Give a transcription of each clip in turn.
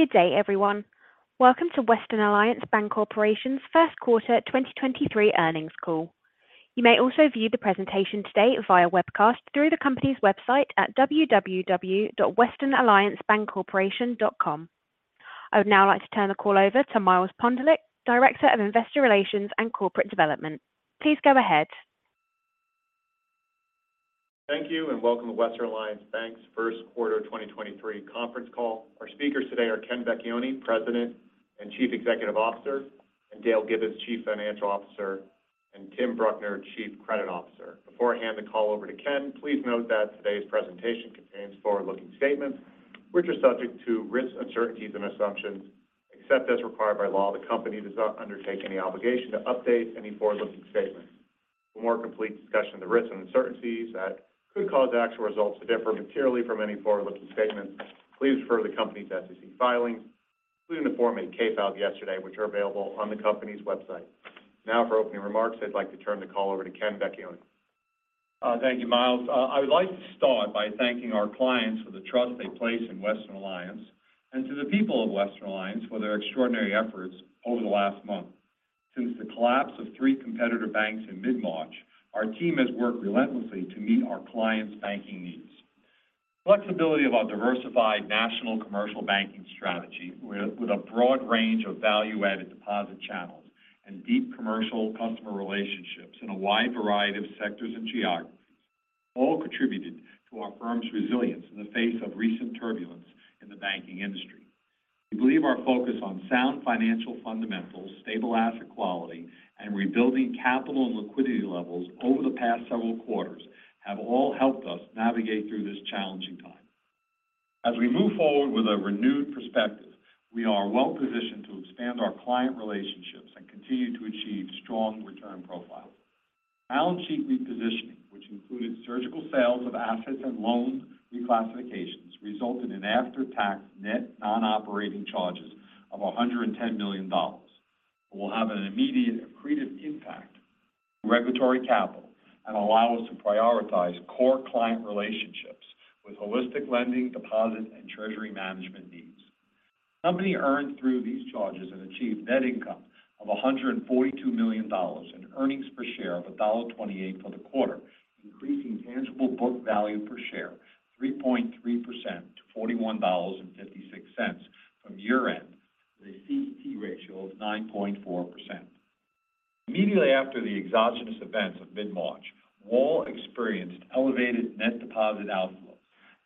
Good day, everyone. Welcome to Western Alliance Bancorporation's first quarter 2023 earnings call. You may also view the presentation today via webcast through the company's website at www.westernalliancebancorporation.com. I would now like to turn the call over to Miles Pondelik, Director of Investor Relations and Corporate Development. Please go ahead. Thank you, and welcome to Western Alliance Bank's first quarter 2023 conference call. Our speakers today are Ken Vecchione, President and Chief Executive Officer, and Dale Gibbons, Chief Financial Officer, and Tim Bruckner, Chief Credit Officer. Before I hand the call over to Ken, please note that today's presentation contains forward-looking statements which are subject to risks, uncertainties, and assumptions. Except as required by law, the company does not undertake any obligation to update any forward-looking statements. For more complete discussion of the risks and uncertainties that could cause actual results to differ materially from any forward-looking statements, please refer to the company's SEC filings, including the Form 8-K filed yesterday, which are available on the company's website. For opening remarks, I'd like to turn the call over to Ken Vecchione. Thank you, Miles. I would like to start by thanking our clients for the trust they place in Western Alliance and to the people of Western Alliance for their extraordinary efforts over the last month. Since the collapse of three competitor banks in mid-March, our team has worked relentlessly to meet our clients' banking needs. Flexibility of our diversified national commercial banking strategy with a broad range of value-added deposit channels and deep commercial customer relationships in a wide variety of sectors and geographies all contributed to our firm's resilience in the face of recent turbulence in the banking industry. We believe our focus on sound financial fundamentals, stable asset quality, and rebuilding capital and liquidity levels over the past several quarters have all helped us navigate through this challenging time. As we move forward with a renewed perspective, we are well-positioned to expand our client relationships and continue to achieve strong return profiles. Balance sheet repositioning, which included surgical sales of assets and loans reclassifications, resulted in after-tax net non-operating charges of $110 million and will have an immediate accretive impact to regulatory capital and allow us to prioritize core client relationships with holistic lending, deposit, and treasury management needs. Company earned through these charges and achieved net income of $142 million and earnings per share of $1.28 for the quarter, increasing tangible book value per share 3.3% to $41.56 from year-end with a CET ratio of 9.4%. Immediately after the exogenous events of mid-March, WAL experienced elevated net deposit outflows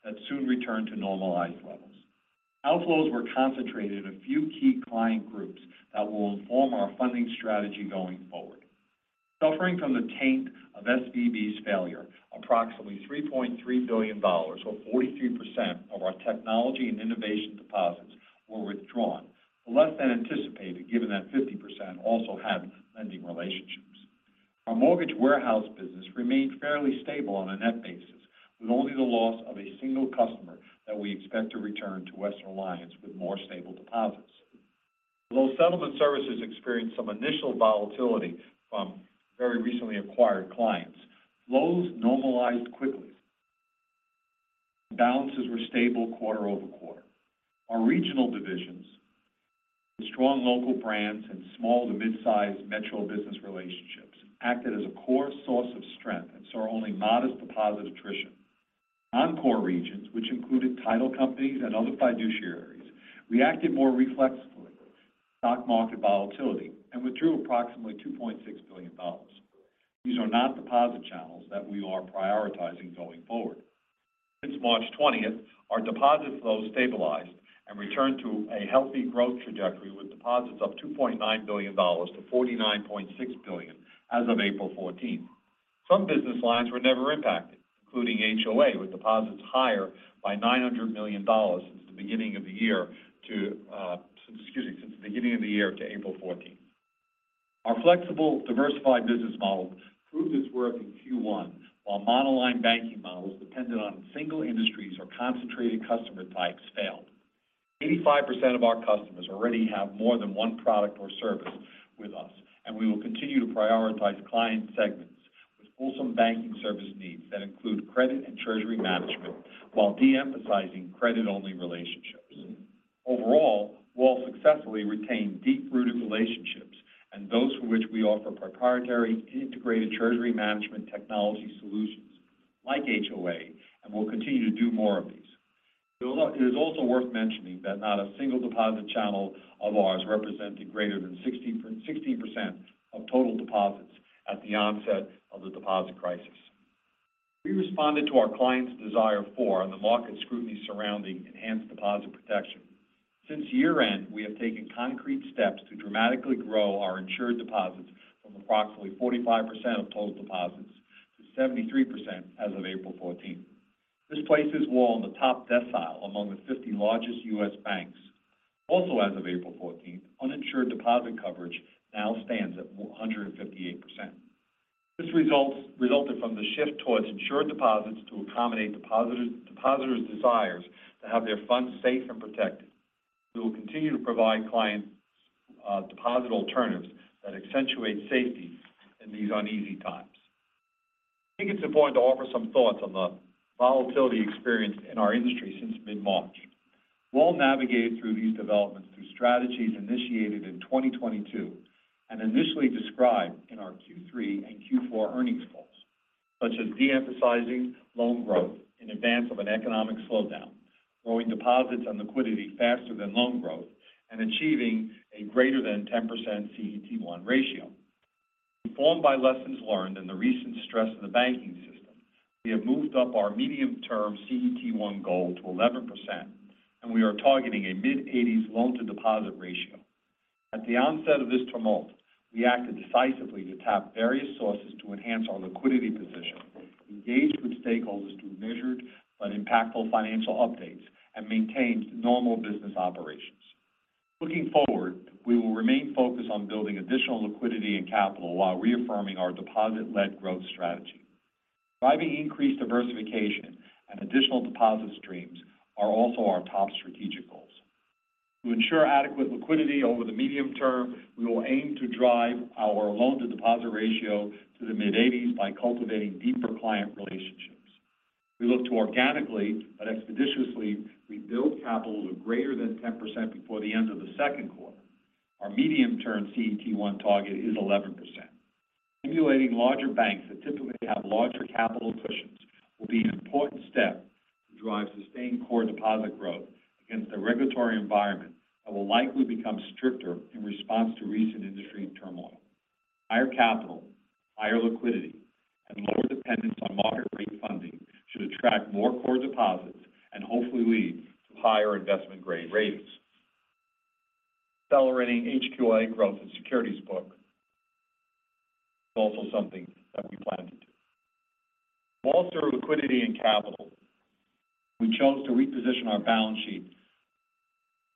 that soon returned to normalized levels. Outflows were concentrated in a few key client groups that will inform our funding strategy going forward. Suffering from the taint of SVB's failure, approximately $3.3 billion or 43% of our technology and innovation deposits were withdrawn, less than anticipated, given that 50% also had lending relationships. Our mortgage warehouse business remained fairly stable on a net basis, with only the loss of a single customer that we expect to return to Western Alliance with more stable deposits. Although settlement services experienced some initial volatility from very recently acquired clients, lows normalized quickly. Balances were stable quarter-over-quarter. Our regional divisions with strong local brands and small to mid-size metro business relationships acted as a core source of strength and saw only modest deposit attrition. Non-core regions, which included title companies and other fiduciaries, reacted more reflexively to stock market volatility and withdrew approximately $2.6 billion. These are not deposit channels that we are prioritizing going forward. Since March 20th, our deposit flows stabilized and returned to a healthy growth trajectory with deposits of $2.9 billion-$49.6 billion as of April 14th. Some business lines were never impacted, including HOA, with deposits higher by $900 million since the beginning of the year to April 14th. Our flexible, diversified business model proved its worth in Q1, while monoline banking models dependent on single industries or concentrated customer types failed. 85% of our customers already have more than one product or service with us, and we will continue to prioritize client segments with wholesome banking service needs that include credit and treasury management while de-emphasizing credit-only relationships. Overall, we'll successfully retain deep-rooted relationships and those for which we offer proprietary integrated treasury management technology solutions like HOA, and we'll continue to do more of these. It is also worth mentioning that not a single deposit channel of ours represented greater than 60% of total deposits at the onset of the deposit crisis. We responded to our clients' desire for and the market scrutiny surrounding enhanced deposit protection. Since year-end, we have taken concrete steps to dramatically grow our insured deposits from approximately 45% of total deposits to 73% as of April 14th. This places WAL in the top decile among the 50 largest U.S. banks. As of April 14, uninsured deposit coverage now stands at 158%. This resulted from the shift towards insured deposits to accommodate depositors' desires to have their funds safe and protected. We will continue to provide clients deposit alternatives that accentuate safety in these uneasy times. I think it's important to offer some thoughts on the volatility experience in our industry since mid-March. We'll navigate through these developments through strategies initiated in 2022 and initially described in our Q3 and Q4 earnings calls, such as de-emphasizing loan growth in advance of an economic slowdown, growing deposits and liquidity faster than loan growth, and achieving a greater than 10% CET1 ratio. Informed by lessons learned in the recent stress of the banking system, we have moved up our medium-term CET1 goal to 11%. We are targeting a mid-80s loan-to-deposit ratio. At the onset of this turmoil, we acted decisively to tap various sources to enhance our liquidity position, engaged with stakeholders through measured but impactful financial updates, maintained normal business operations. Looking forward, we will remain focused on building additional liquidity and capital while reaffirming our deposit-led growth strategy. Driving increased diversification and additional deposit streams are also our top strategic goals. To ensure adequate liquidity over the medium term, we will aim to drive our loan-to-deposit ratio to the mid-80s by cultivating deeper client relationships. We look to organically but expeditiously rebuild capital to greater than 10% before the end of the second quarter. Our medium-term CET1 target is 11%. Emulating larger banks that typically have larger capital cushions will be an important step to drive sustained core deposit growth against a regulatory environment that will likely become stricter in response to recent industry turmoil. Higher capital, higher liquidity, and lower dependence on market rate funding should attract more core deposits and hopefully lead to higher investment-grade ratings. Accelerating HQLA growth and securities book is also something that we plan to do. To bolster liquidity and capital, we chose to reposition our balance sheet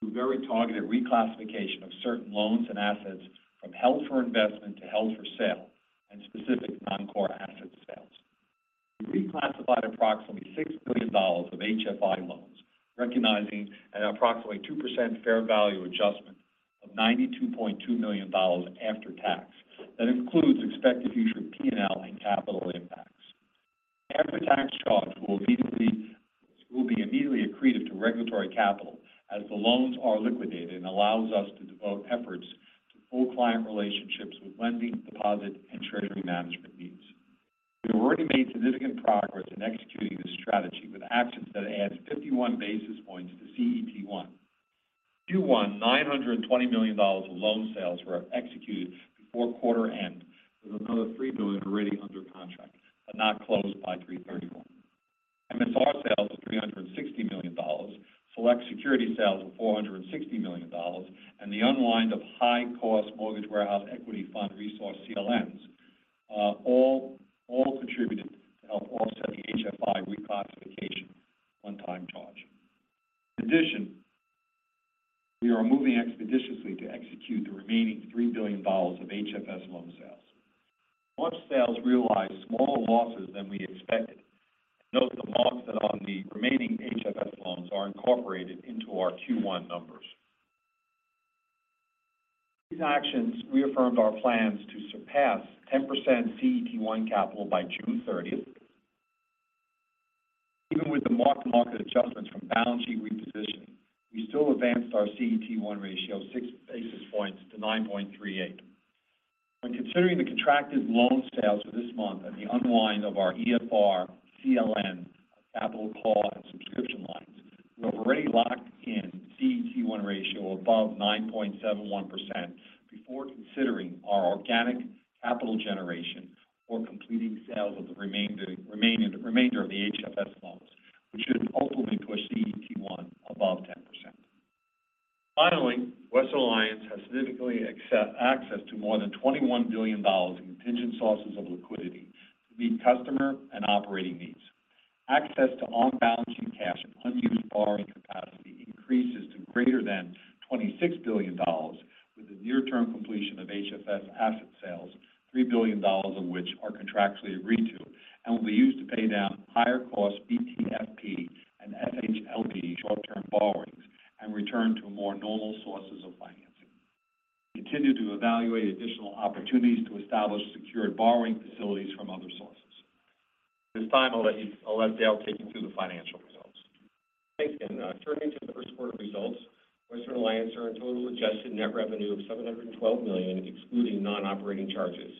through very targeted reclassification of certain loans and assets from held for investment to held for sale and specific non-core asset sales. We reclassified approximately $6 billion of HFI loans, recognizing an approximately 2% fair value adjustment of $92.2 million after tax. That includes expected future P&L and capital impacts. After-tax charge will be immediately accretive to regulatory capital as the loans are liquidated and allows us to devote efforts to full client relationships with lending, deposit, and treasury management needs. We have already made significant progress in executing this strategy with actions that add 51 basis points to CET1. Q1, $920 million of loan sales were executed before quarter end, with another $3 billion already under contract but not closed by March 31. MSR sales of $360 million, select security sales of $460 million, and the unwind of high-cost mortgage warehouse equity fund resources CLNs all contributed to help offset the HFI reclassification one-time charge. We are moving expeditiously to execute the remaining $3 billion of HFS loan sales. Loan sales realized smaller losses than we expected. Note the marks that on the remaining HFS loans are incorporated into our Q1 numbers. These actions reaffirmed our plans to surpass 10% CET1 capital by June 30th. Even with the mark-to-market adjustments from balance sheet repositioning, we still advanced our CET1 ratio 6 basis points to 9.38. When considering the contracted loan sales for this month and the unwind of our EFR, CLN, capital call, and subscription lines, we have already locked in CET1 ratio above 9.71% before considering our organic capital generation or completing sales of the remainder of the HFS loans, which should ultimately push CET1 above 10%. Finally, Western Alliance has significantly access to more than $21 billion in contingent sources of liquidity to meet customer and operating needs. Access to on-balancing cash and unused borrowing capacity increases to greater than $26 billion with the near-term completion of HFS asset sales, $3 billion of which are contractually agreed to and will be used to pay down higher-cost BTFP and FHLB short-term borrowings and return to more normal sources of financing. Continue to evaluate additional opportunities to establish secured borrowing facilities from other sources. At this time, I'll let Dale take you through the financial results. Thanks again. Turning to the first quarter results, Western Alliance earned total adjusted net revenue of $712 million, excluding non-operating charges.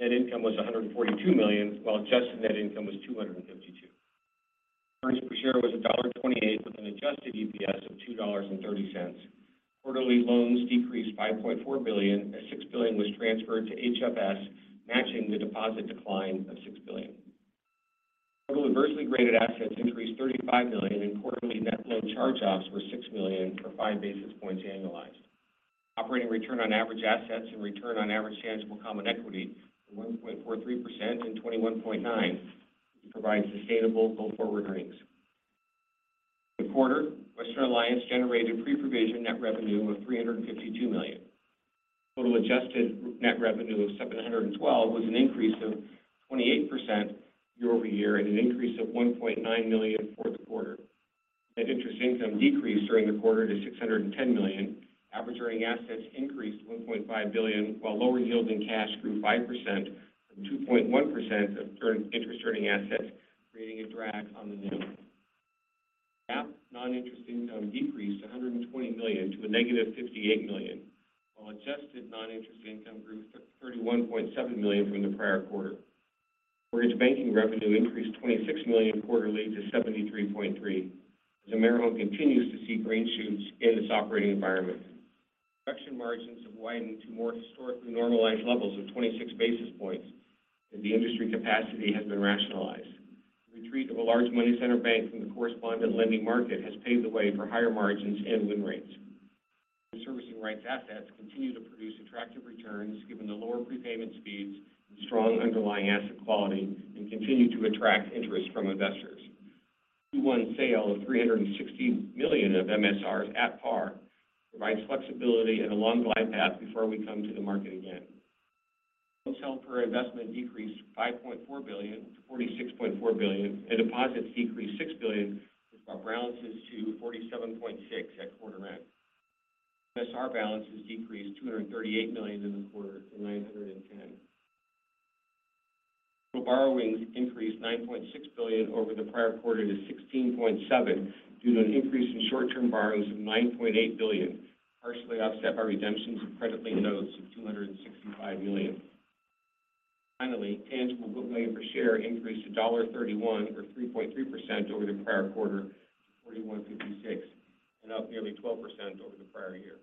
Net income was $142 million, while adjusted net income was $252 million. Earnings per share was $1.28, with an adjusted EPS of $2.30. Quarterly loans decreased $5.4 billion, as $6 billion was transferred to HFS, matching the deposit decline of $6 billion. Total adversely graded assets increased $35 million, quarterly net loan charge-offs were $6 million for 5 basis points annualized. Operating return on average assets and return on average tangible common equity of 1.43% and 21.9% provide sustainable go-forward earnings. In the quarter, Western Alliance generated pre-provision net revenue of $352 million. Total adjusted net revenue of $712 million was an increase of 28% year-over-year and an increase of $1.9 million fourth quarter. Net interest income decreased during the quarter to $610 million. Average earning assets increased $1.5 billion, while lower yielding cash grew 5% from 2.1% of interest-earning assets, creating a drag on the yield. GAAP non-interest income decreased to $120 million to a -$58 million, while adjusted non-interest income grew $31.7 million from the prior quarter. Mortgage banking revenue increased $26 million quarterly to $73.3 million as AmeriHome continues to see green shoots in its operating environment. Production margins have widened to more historically normalized levels of 26 basis points as the industry capacity has been rationalized. The retreat of a large money center bank from the correspondent lending market has paved the way for higher margins and win rates. Servicing rights assets continue to produce attractive returns given the lower prepayment speeds and strong underlying asset quality and continue to attract interest from investors. Q1 sale of $360 million of MSRs at par provides flexibility and a long life path before we come to the market again. Loans held for investment decreased $5.4 billion-$46.4 billion, and deposits decreased $6 billion, which brought balances to $47.6 billion at quarter end. MSR balances decreased $238 million in the quarter to $910 million. Total borrowings increased $9.6 billion over the prior quarter to $16.7 billion due to an increase in short-term borrowings of $9.8 billion, partially offset by redemptions of credit link notes of $265 million. Finally, tangible book value per share increased to $31 or 3.3% over the prior quarter to $41.56 and up nearly 12% over the prior year.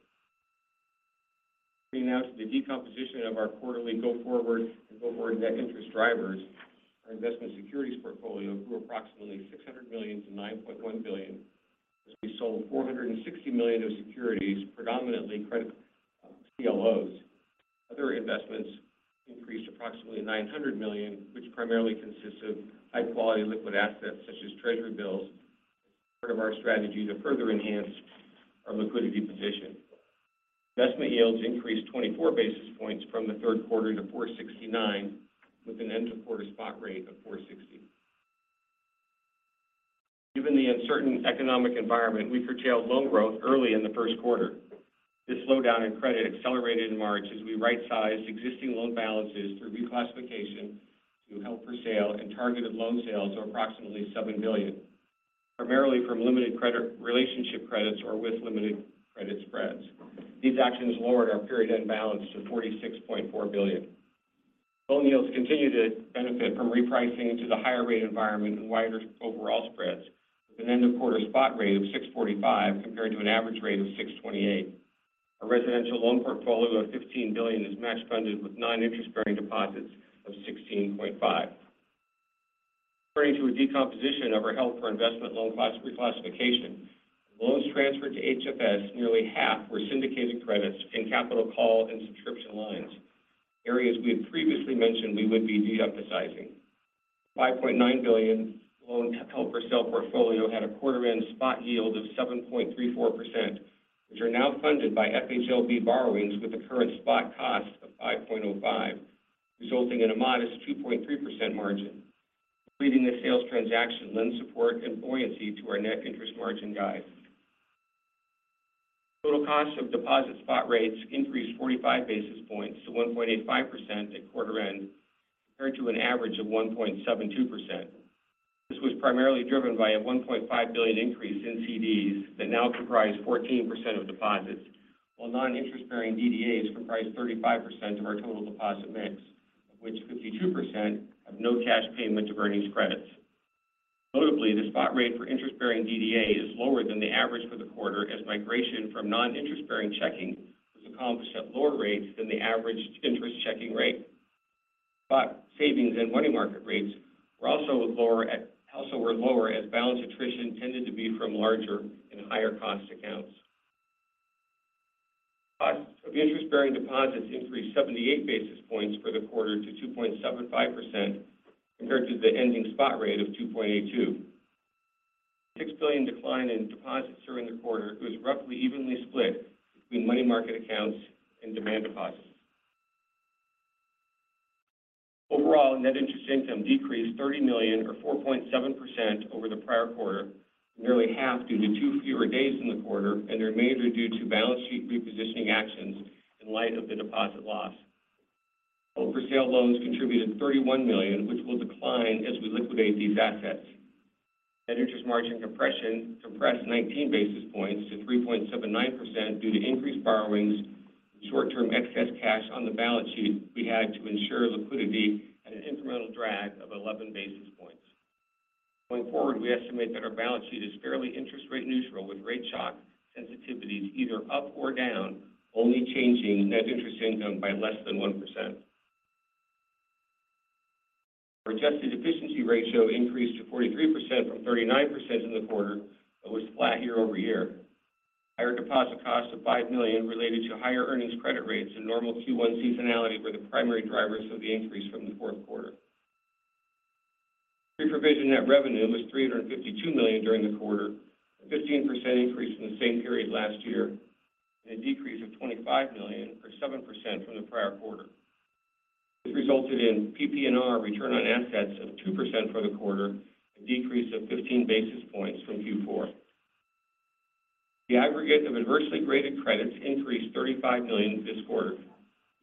We announced the decomposition of our quarterly go forward and go forward net interest drivers. Our investment securities portfolio grew approximately $600 million to $9.1 billion as we sold $460 million of securities, predominantly credit CLOs. Other investments increased approximately $900 million, which primarily consists of high-quality liquid assets such as Treasury bills as part of our strategy to further enhance our liquidity position. Investment yields increased 24 basis points from the third quarter to 4.69%, with an end of quarter spot rate of 4.60%. Given the uncertain economic environment, we curtailed loan growth early in the first quarter. This slowdown in credit accelerated in March as we right-sized existing loan balances through reclassification to held for sale and targeted loan sales of approximately $7 billion, primarily from limited credit relationship credits or with limited credit spreads. These actions lowered our period-end balance to $46.4 billion. Loan yields continue to benefit from repricing to the higher rate environment and wider overall spreads, with an end of quarter spot rate of 6.45% compared to an average rate of 6.28%. Our residential loan portfolio of $15 billion is match funded with non-interest bearing deposits of $16.5 billion. Turning to a decomposition of our held for investment loan class reclassification, loans transferred to HFS, nearly half were syndicated credits in capital call and subscription lines, areas we had previously mentioned we would be de-emphasizing. The $5.9 billion loan held for sale portfolio had a quarter end spot yield of 7.34%, which are now funded by FHLB borrowings with a current spot cost of 5.05%, resulting in a modest 2.3% margin. Completing the sales transaction lends support and buoyancy to our net interest margin guide. Total cost of deposit spot rates increased 45 basis points to 1.85% at quarter end compared to an average of 1.72%. This was primarily driven by a $1.5 billion increase in CDs that now comprise 14% of deposits, while non-interest bearing DDAs comprise 35% of our total deposit mix, of which 52% have no cash payment to earnings credits. Notably, the spot rate for interest-bearing DDA is lower than the average for the quarter as migration from non-interest bearing checking was accomplished at lower rates than the average interest checking rate. Spot savings and money market rates also were lower as balance attrition tended to be from larger and higher cost accounts. Cost of interest-bearing deposits increased 78 basis points for the quarter to 2.75% compared to the ending spot rate of 2.82%. The $6 billion decline in deposits during the quarter was roughly evenly split between money market accounts and demand deposits. Overall, net interest income decreased $30 million or 4.7% over the prior quarter, nearly half due to two fewer days in the quarter, and the remainder due to balance sheet repositioning actions in light of the deposit loss. Held for sale loans contributed $31 million, which will decline as we liquidate these assets. Net interest margin compression compressed 19 basis points to 3.79% due to increased borrowings and short-term excess cash on the balance sheet we had to ensure liquidity at an incremental drag of 11 basis points. Going forward, we estimate that our balance sheet is fairly interest rate neutral with rate shock sensitivities either up or down, only changing net interest income by less than 1%. Our adjusted efficiency ratio increased to 43% from 39% in the quarter but was flat year-over-year. Higher deposit costs of $5 million related to higher earnings credit rates and normal Q1 seasonality were the primary drivers of the increase from the fourth quarter. Pre-provision net revenue was $352 million during the quarter, a 15% increase from the same period last year, and a decrease of $25 million or 7% from the prior quarter. It resulted in PPNR return on assets of 2% for the quarter, a decrease of 15 basis points from Q4. The aggregate of adversely graded credits increased $35 million this quarter.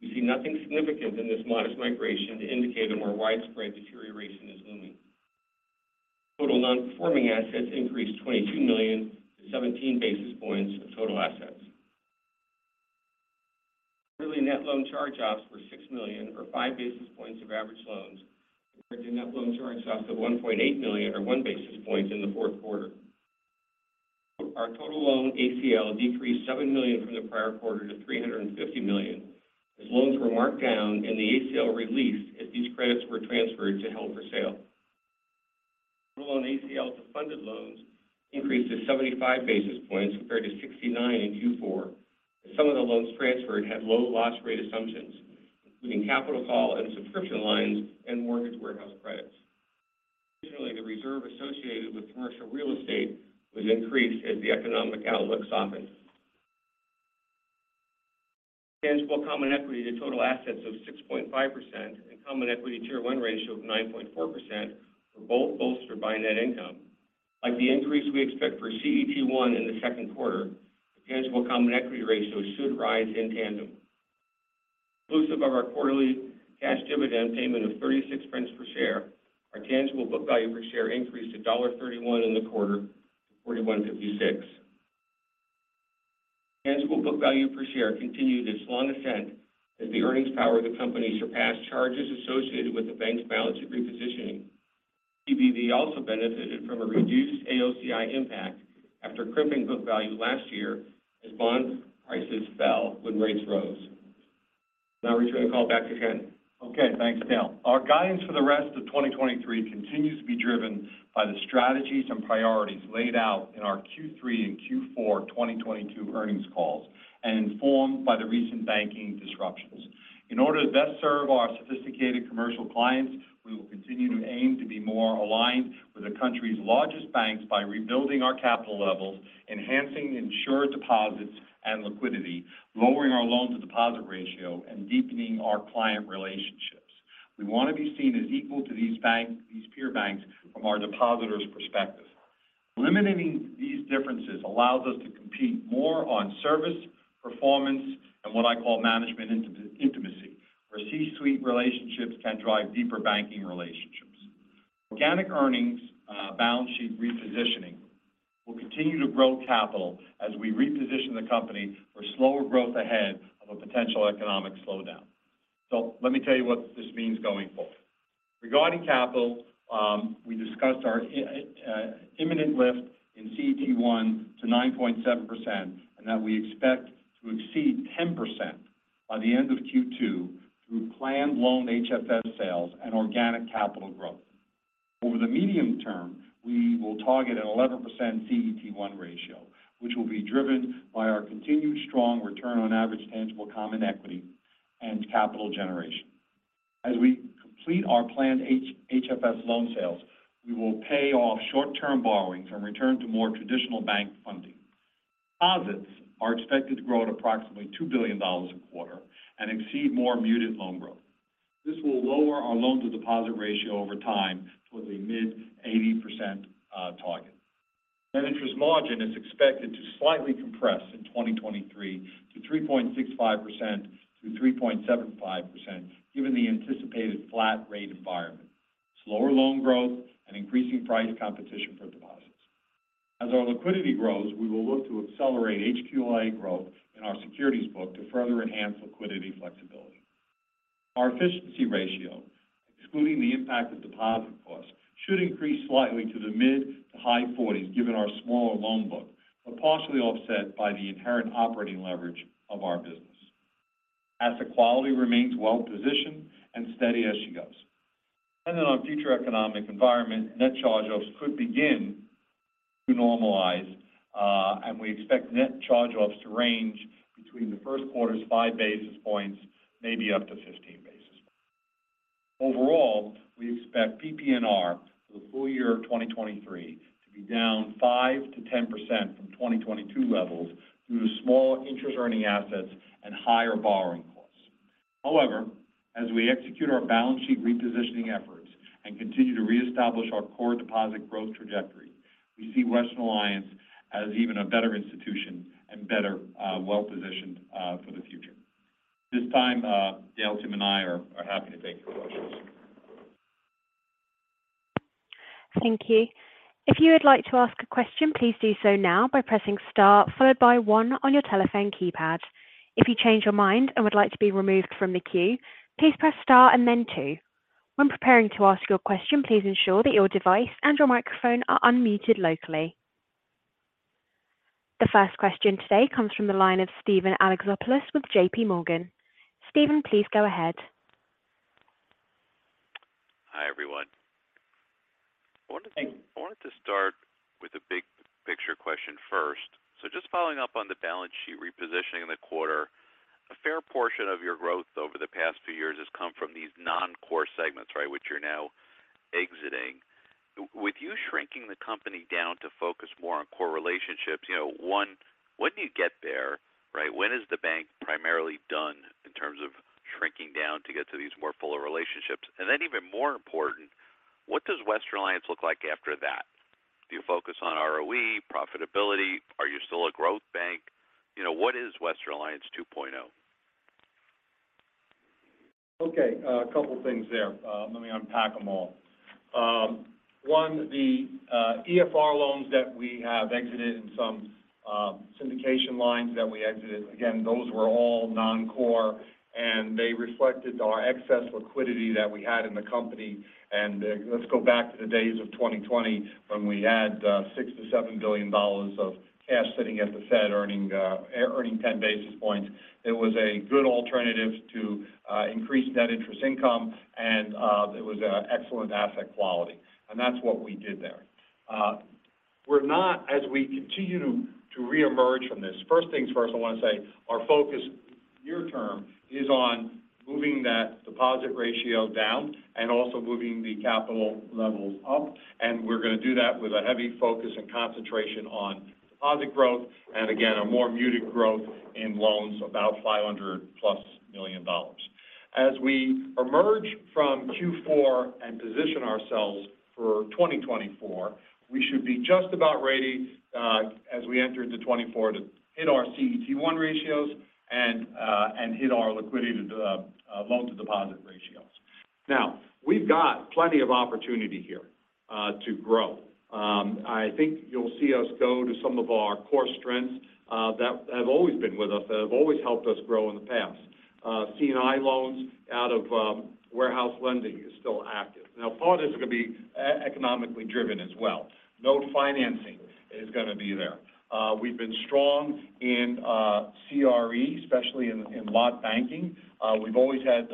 We see nothing significant in this modest migration to indicate a more widespread deterioration is looming. Total non-performing assets increased $22 million to 17 basis points of total assets. Net loan charge-offs were $6 million or 5 basis points of average loans compared to net loan charge-offs of $1.8 million or 1 basis point in the fourth quarter. Our total loan ACL decreased $7 million from the prior quarter to $350 million as loans were marked down and the ACL released as these credits were transferred to held for sale. Total loan ACL to funded loans increased to 75 basis points compared to 69 in Q4 as some of the loans transferred had low loss rate assumptions, including capital call and subscription lines and mortgage warehouse credits. The reserve associated with commercial real estate was increased as the economic outlook softened. Tangible common equity to total assets of 6.5% and common equity tier one ratio of 9.4% were both bolstered by net income. Like the increase we expect for CET1 in the second quarter, the tangible common equity ratio should rise in tandem. Inclusive of our quarterly cash dividend payment of $0.36 per share, our TBV per share increased to $1.31 in the quarter to $41.56. TBV per share continued its long ascent as the earnings power of the company surpassed charges associated with the bank's balance sheet repositioning. TBV also benefited from a reduced AOCI impact after crimping book value last year as bond prices fell when rates rose. Now returning the call back to Ken. Okay, thanks, Dale. Our guidance for the rest of 2023 continues to be driven by the strategies and priorities laid out in our Q3 and Q4 2022 earnings calls and informed by the recent banking disruptions. In order to best serve our sophisticated commercial clients, we will continue to aim to be more aligned with the country's largest banks by rebuilding our capital levels, enhancing insured deposits and liquidity, lowering our loan to deposit ratio, and deepening our client relationships. We want to be seen as equal to these peer banks from our depositors perspective. Eliminating these differences allows us to compete more on service, performance, and what I call management intimacy, where C-suite relationships can drive deeper banking relationships. Organic earnings, balance sheet repositioning will continue to grow capital as we reposition the company for slower growth ahead of a potential economic slowdown. Let me tell you what this means going forward. Regarding capital, we discussed our imminent lift in CET1 to 9.7%, and that we expect to exceed 10% by the end of Q2 through planned loan HFS sales and organic capital growth. Over the medium term, we will target an 11% CET1 ratio, which will be driven by our continued strong return on average tangible common equity and capital generation. As we complete our planned HFS loan sales, we will pay off short-term borrowings and return to more traditional bank funding. Deposits are expected to grow at approximately $2 billion a quarter and exceed more muted loan growth. This will lower our loan to deposit ratio over time towards a mid-80% target. Net interest margin is expected to slightly compress in 2023 to 3.65%-3.75% given the anticipated flat rate environment, slower loan growth, and increasing price competition for deposits. As our liquidity grows, we will look to accelerate HQLA growth in our securities book to further enhance liquidity flexibility. Our efficiency ratio, excluding the impact of deposit costs, should increase slightly to the mid to high forties given our smaller loan book, partially offset by the inherent operating leverage of our business. Asset quality remains well-positioned and steady as she goes. Depending on future economic environment, net charge-offs could begin to normalize. We expect net charge-offs to range between the first quarter's 5 basis points, maybe up to 15 basis points. Overall, we expect PPNR for the full year of 2023 to be down 5%-10% from 2022 levels due to small interest earning assets and higher borrowing costs. As we execute our balance sheet repositioning efforts and continue to reestablish our core deposit growth trajectory, we see Western Alliance as even a better institution and better, well-positioned for the future. At this time, Dale, Tim, and I are happy to take your questions. Thank you. If you would like to ask a question, please do so now by pressing star followed by one on your telephone keypad. If you change your mind and would like to be removed from the queue, please press star and then two. When preparing to ask your question, please ensure that your device and your microphone are unmuted locally. The first question today comes from the line of Steven Alexopoulos with JPMorgan. Steven, please go ahead. Hi, everyone. Thanks. I wanted to start with a big picture question first. Just following up on the balance sheet repositioning in the quarter, a fair portion of your growth over the past few years has come from these non. Core segments, right, which you're now exiting. With you shrinking the company down to focus more on core relationships, you know, one, when do you get there, right? When is the bank primarily done in terms of shrinking down to get to these more fuller relationships? Then even more important, what does Western Alliance look like after that? Do you focus on ROE, profitability? Are you still a growth bank? You know, what is Western Alliance 2.0? Okay, a couple things there. Let me unpack them all. One, the EFR loans that we have exited and some syndication lines that we exited, again, those were all non-core, and they reflected our excess liquidity that we had in the company. Let's go back to the days of 2020 when we had $6 billion-$7 billion of cash sitting at the Fed earning 10 basis points. It was a good alternative to increase net interest income, and it was an excellent asset quality. That's what we did there. We're not as we continue to reemerge from this. First things first, I want to say our focus near term is on moving that deposit ratio down and also moving the capital levels up. We're going to do that with a heavy focus and concentration on deposit growth, and again, a more muted growth in loans about $500+ million. As we emerge from Q4 and position ourselves for 2024, we should be just about ready, as we enter into 2024 to hit our CET1 ratios and hit our liquidity to loan to deposit ratios. We've got plenty of opportunity here to grow. I think you'll see us go to some of our core strengths that have always been with us, that have always helped us grow in the past. C&I loans out of warehouse lending is still active. Part of this is going to be economically driven as well. Note financing is going to be there. We've been strong in CRE, especially in lot banking. We've always had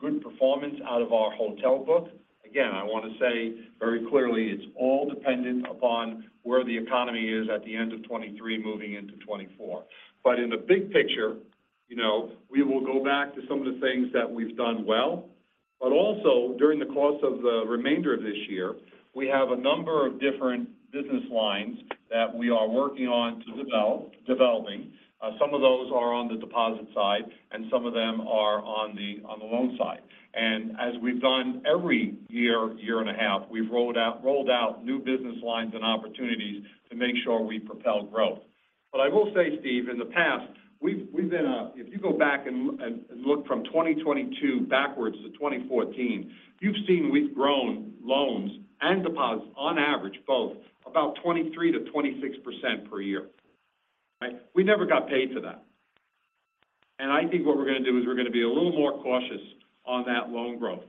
good performance out of our hotel book. I want to say very clearly, it's all dependent upon where the economy is at the end of 2023 moving into 2024. In the big picture, you know, we will go back to some of the things that we've done well. Also during the course of the remainder of this year, we have a number of different business lines that we are working on to developing. Some of those are on the deposit side, and some of them are on the loan side. As we've done every year and a half, we've rolled out new business lines and opportunities to make sure we propel growth. I will say, Steven, in the past, we've been if you go back and look from 2022 backwards to 2014, you've seen we've grown loans and deposits on average both about 23%-26% per year. We never got paid for that. I think what we're going to do is we're going to be a little more cautious on that loan growth.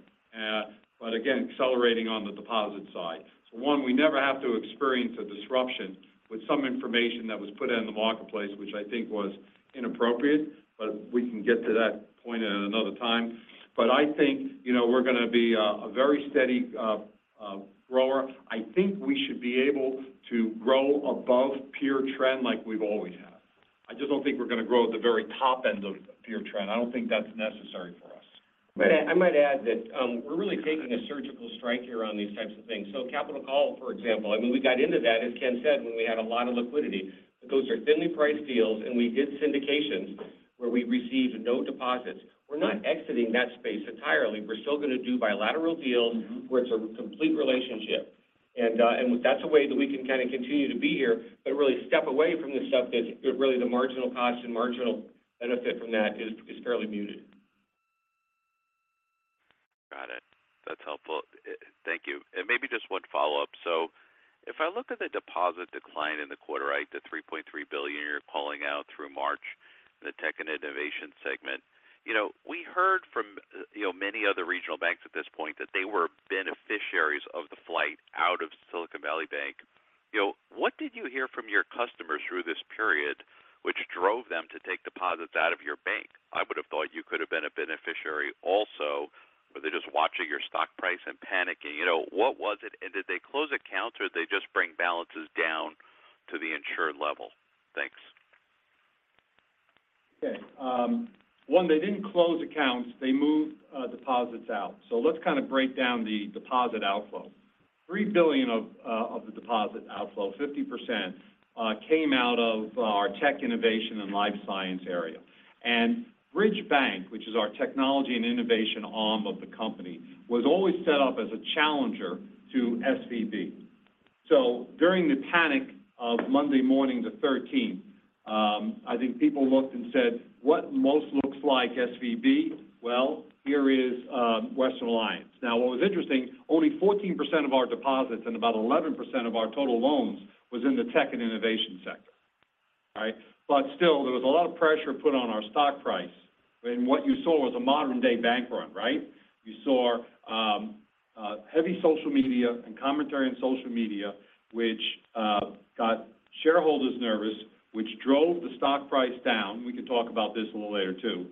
but again, accelerating on the deposit side. One, we never have to experience a disruption with some information that was put in the marketplace, which I think was inappropriate, but we can get to that point at another time. I think, you know, we're going to be a very steady grower. I think we should be able to grow above peer trend like we've always have. I just don't think we're going to grow at the very top end of the peer trend. I don't think that's necessary for us. I might add that we're really taking a surgical strike here on these types of things. Capital call, for example. I mean, we got into that, as Ken said, when we had a lot of liquidity. Those are thinly priced deals, and we did syndications where we received no deposits. We're not exiting that space entirely. We're still going to do bilateral deals where it's a complete relationship. That's a way that we can kind of continue to be here, but really step away from the stuff that's really the marginal cost and marginal benefit from that is fairly muted. Got it. That's helpful. Thank you. Maybe just one follow-up. If I look at the deposit decline in the quarter, right, the $3.3 billion you're calling out through March in the tech and innovation segment. You know, we heard from, you know, many other regional banks at this point that they were beneficiaries of the flight out of Silicon Valley Bank. You know, what did you hear from your customers through this period which drove them to take deposits out of your bank? I would have thought you could have been a beneficiary also. Were they just watching your stock price and panicking? You know, what was it? Did they close accounts or did they just bring balances down to the insured level? Thanks. One, they didn't close accounts. They moved deposits out. Let's kind of break down the deposit outflow. $3 billion of the deposit outflow, 50% came out of our tech innovation and life science area. Bridge Bank, which is our technology and innovation arm of the company, was always set up as a challenger to SVB. During the panic of Monday morning the thirteenth, I think people looked and said, "What most looks like SVB? Well, here is Western Alliance." What was interesting, only 14% of our deposits and about 11% of our total loans was in the tech and innovation sector. Still, there was a lot of pressure put on our stock price. What you saw was a modern-day bank run, right? You saw heavy social media and commentary on social media, which got shareholders nervous, which drove the stock price down. We can talk about this a little later too.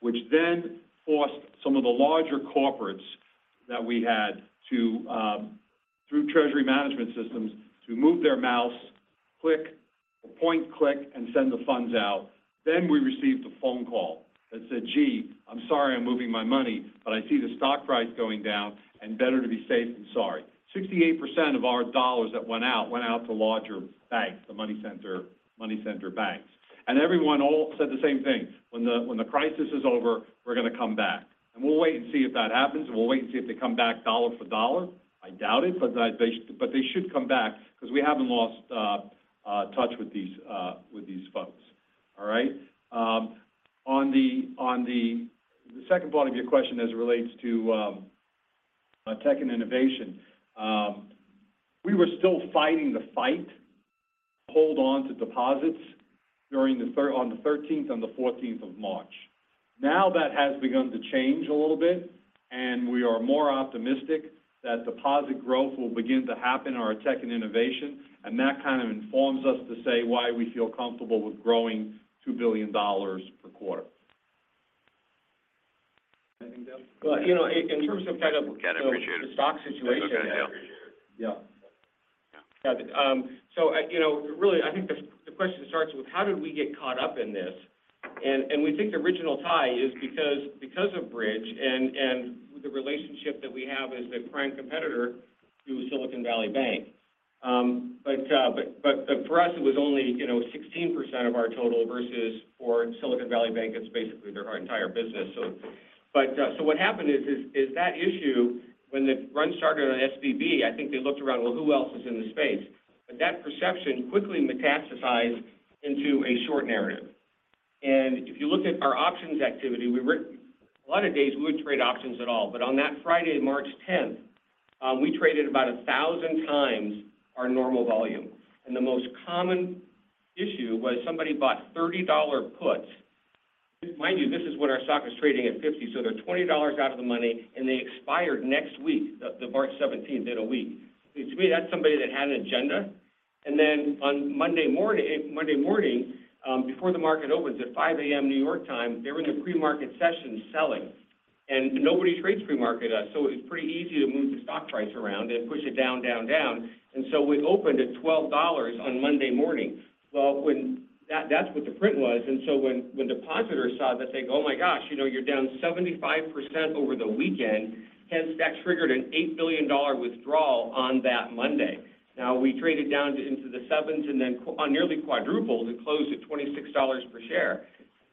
Which then forced some of the larger corporates that we had to through treasury management systems to move their mouse, click, point, click, and send the funds out. Then we received a phone call that said, "Gee, I'm sorry I'm moving my money, but I see the stock price going down and better to be safe than sorry." 68% of our $ that went out, went out to larger banks, the money center banks. Everyone all said the same thing. "When the crisis is over, we're gonna come back." We'll wait and see if that happens, and we'll wait and see if they come back dollar for dollar. I doubt it, but they should come back because we haven't lost touch with these with these folks. All right? The second part of your question as it relates to tech and innovation. We were still fighting the fight to hold on to deposits during the 13th and the 14th of March. That has begun to change a little bit, and we are more optimistic that deposit growth will begin to happen in our tech and innovation. That kind of informs us to say why we feel comfortable with growing $2 billion per quarter. Anything to add? Well, you know, in terms of kind of the stock situation. Again, appreciate it. Yeah. Got it. You know, really, I think the question starts with how did we get caught up in this? We think the original tie is because of Bridge and the relationship that we have as the prime competitor to Silicon Valley Bank. For us, it was only, you know, 16% of our total versus for Silicon Valley Bank, it's basically their entire business. What happened is that issue when the run started on SVB, I think they looked around, "Well, who else is in the space?" That perception quickly metastasized into a short narrative. If you look at our options activity, we a lot of days we wouldn't trade options at all. On that Friday, March 10th, we traded about 1,000x our normal volume. The most common issue was somebody bought $30 puts. Mind you, this is when our stock was trading at $50, so they're $20 out of the money, and they expired next week, the March 17th, in a week. To me, that's somebody that had an agenda. On Monday morning, before the market opens at 5:00 A.M. New York time, they're in the pre-market session selling. Nobody trades pre-market. So it was pretty easy to move the stock price around and push it down, down. We opened at $12 on Monday morning. Well, when that's what the print was. When, when depositors saw that, they go, "Oh my gosh, you know, you're down 75% over the weekend." Hence that triggered an $8 billion withdrawal on that Monday. We traded down to into the sevens and then nearly quadrupled and closed at $26 per share.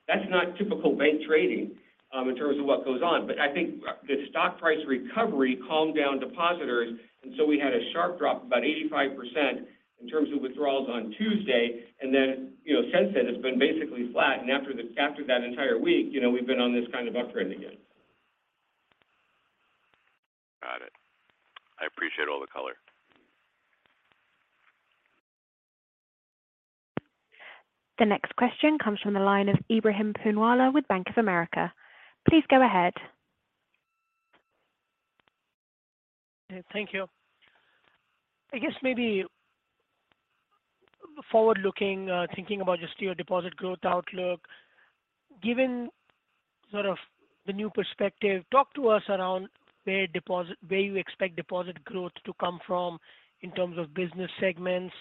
That's not typical bank trading in terms of what goes on. I think the stock price recovery calmed down depositors, we had a sharp drop, about 85% in terms of withdrawals on Tuesday. You know, since then it's been basically flat. After that entire week, you know, we've been on this kind of uptrend again. Got it. I appreciate all the color. The next question comes from the line of Ebrahim Poonawala with Bank of America. Please go ahead. Thank you. I guess maybe forward-looking, thinking about just your deposit growth outlook. Given sort of the new perspective, talk to us around where you expect deposit growth to come from in terms of business segments.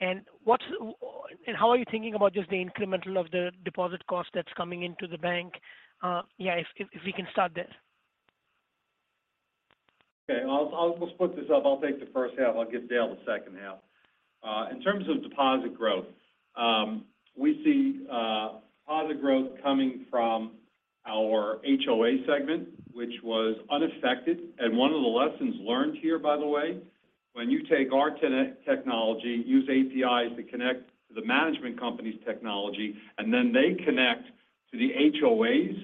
How are you thinking about just the incremental of the deposit cost that's coming into the bank? Yeah, if we can start there. Okay. We'll split this up. I'll take the first half. I'll give Dale the second half. In terms of deposit growth, we see deposit growth coming from our HOA segment, which was unaffected. One of the lessons learned here, by the way, when you take our technology, use APIs to connect to the management company's technology, and then they connect to the HOA's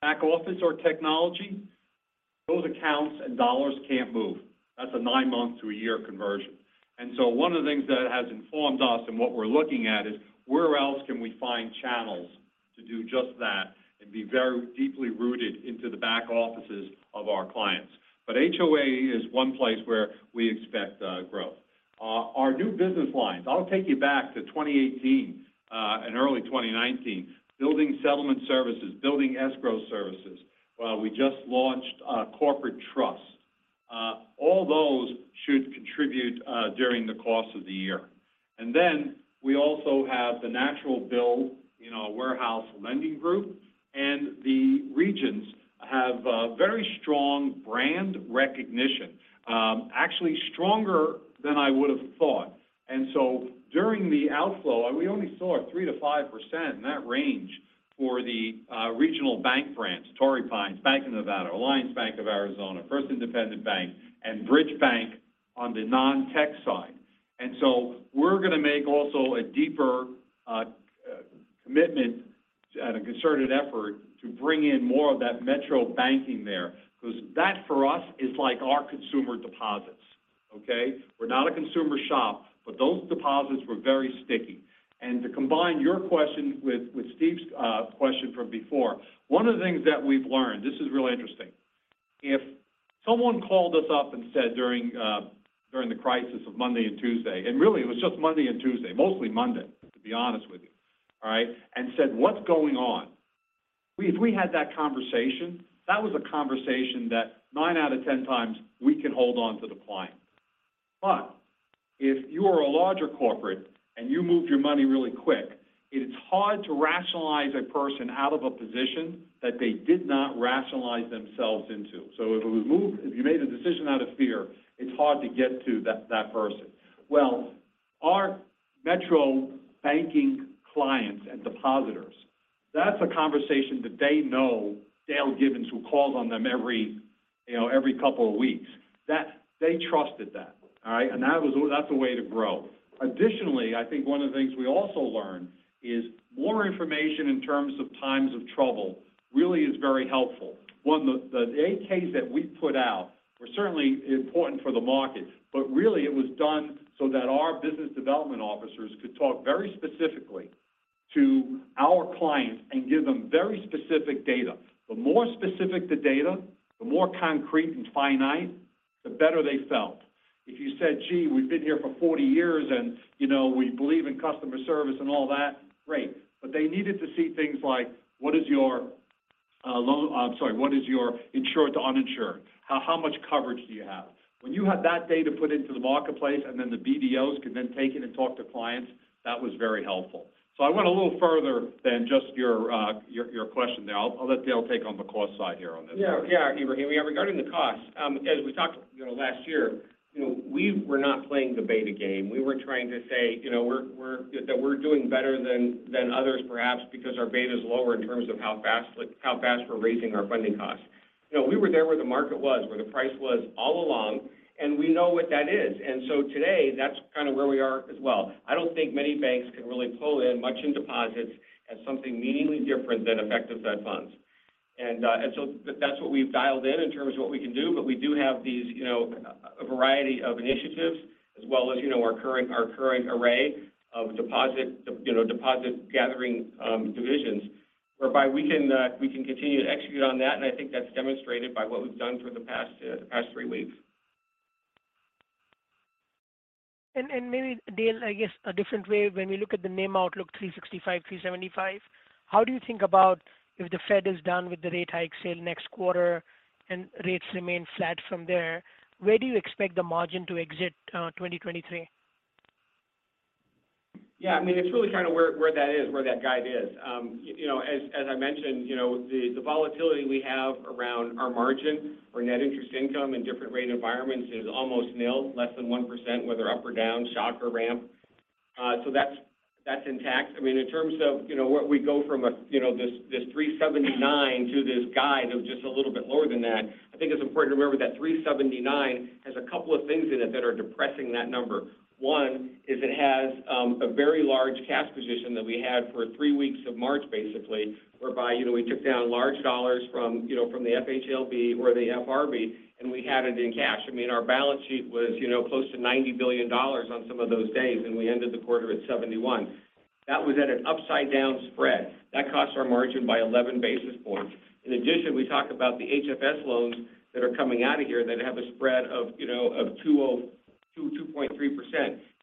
back office or technology, those accounts and dollars can't move. That's a nine-month to a year conversion. One of the things that has informed us and what we're looking at is where else can we find channels to do just that and be very deeply rooted into the back offices of our clients. HOA is one place where we expect growth. Our new business lines. I'll take you back to 2018 and early 2019. Building settlement services, building escrow services. We just launched corporate trust. All those should contribute during the course of the year. We also have the natural bill, you know, warehouse lending group. The regions have a very strong brand recognition. Actually stronger than I would have thought. During the outflow, we only saw 3%-5% in that range for the regional bank branch, Torrey Pines, Bank of Nevada, Alliance Bank of Arizona, First Independent Bank, and Bridge Bank on the non-tech side. We're going to make also a deeper commitment and a concerted effort to bring in more of that metro banking there, because that for us is like our consumer deposits, okay? We're not a consumer shop, but those deposits were very sticky. To combine your question with Steve's question from before. One of the things that we've learned. This is really interesting. If someone called us up and said during the crisis of Monday and Tuesday, and really it was just Monday and Tuesday. Mostly Monday, to be honest with you. All right? Said, "What's going on?" If we had that conversation, that was a conversation that 9 out of 10 times we can hold on to the client. If you are a larger corporate and you move your money really quick, it's hard to rationalize a person out of a position that they did not rationalize themselves into. If it was moved, if you made a decision out of fear, it's hard to get to that person. Well, our metro banking clients and depositors, that's a conversation that they know Dale Gibbons who calls on them every, you know, every couple of weeks. They trusted that. All right. That's a way to grow. Additionally, I think one of the things we also learned is more information in terms of times of trouble really is very helpful. One, the 8Ks that we put out were certainly important for the market. Really, it was done so that our business development officers could talk very specifically to our clients and give them very specific data. The more specific the data, the more concrete and finite, the better they felt. If you said, "Gee, we've been here for 40 years, and, you know, we believe in customer service," and all that, great. They needed to see things like what is your insured to uninsured? How much coverage do you have? When you had that data put into the marketplace, and then the BDOs could then take it and talk to clients, that was very helpful. I went a little further than just your question there. I'll let Dale take on the cost side here on this one. Yeah, Ebrahim. Regarding the cost, as we talked, you know, last year, you know, we were not playing the beta game. We were trying to say, you know, we're doing better than others perhaps because our beta is lower in terms of how fast we're raising our funding costs. You know, we were there where the market was, where the price was all along, and we know what that is. Today, that's kind of where we are as well. I don't think many banks can really pull in much in deposits as something meaningfully different than effective Fed funds. So that's what we've dialed in in terms of what we can do. We do have these, you know, a variety of initiatives as well as, you know, our current array of deposit, you know, deposit gathering, divisions whereby we can, we can continue to execute on that. I think that's demonstrated by what we've done for the past, the past three weeks. Maybe, Dale, I guess a different way when we look at the NIM outlook 3.65%-3.75%, how do you think about if the Fed is done with the rate hike, say next quarter and rates remain flat from there? Where do you expect the margin to exit 2023? Yeah. I mean, it's really kind of where that is, where that guide is. You know, as I mentioned, the volatility we have around our margin or net interest income in different rate environments is almost nil, less than 1%, whether up or down, shock or ramp. That's intact. I mean, in terms of, you know, where we go from a, you know, this 379 to this guide of just a little bit lower than that, I think it's important to remember that 379 has a couple of things in it that are depressing that number. One is it has a very large cash position that we had for three weeks of March, basically, whereby, you know, we took down large dollars from, you know, from the FHLB or the FRB, and we had it in cash. I mean, our balance sheet was, you know, close to $90 billion on some of those days, and we ended the quarter at $71 billion. That was at an upside-down spread. That cost our margin by 11 basis points. In addition, we talk about the HFS loans that are coming out of here that have a spread of, you know, of 2.3%.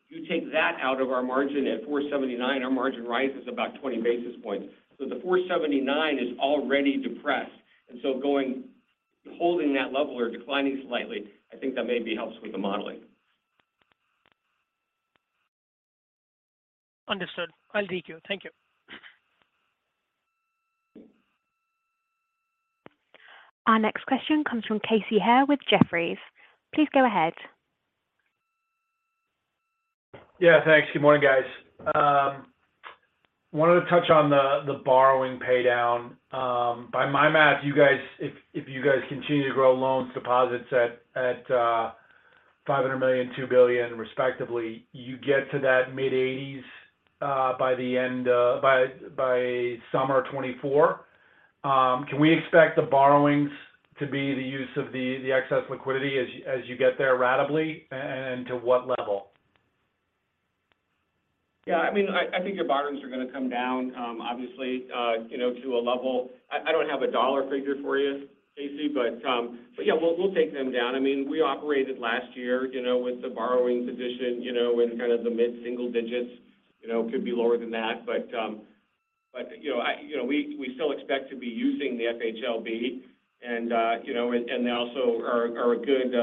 You take that out of our margin at 4.79%, our margin rises about 20 basis points. The 4.79% is already depressed. Holding that level or declining slightly, I think that maybe helps with the modeling. Understood. I'll take you. Thank you. Our next question comes from Casey Haire with Jefferies. Please go ahead. Yeah, thanks. Good morning, guys. Wanted to touch on the borrowing paydown. By my math, if you guys continue to grow loans deposits at $500 million, $2 billion respectively, you get to that mid-80s by the end by summer 2024. Can we expect the borrowings to be the use of the excess liquidity as you get there ratably, and to what level? I mean, I think your borrowings are going to come down, obviously, you know, to a level. I don't have a dollar figure for you, Casey, but yeah, we'll take them down. I mean, we operated last year, you know, with the borrowing position, you know, in kind of the mid-single digits. You know, could be lower than that. You know, we still expect to be using the FHLB, and they also are a good,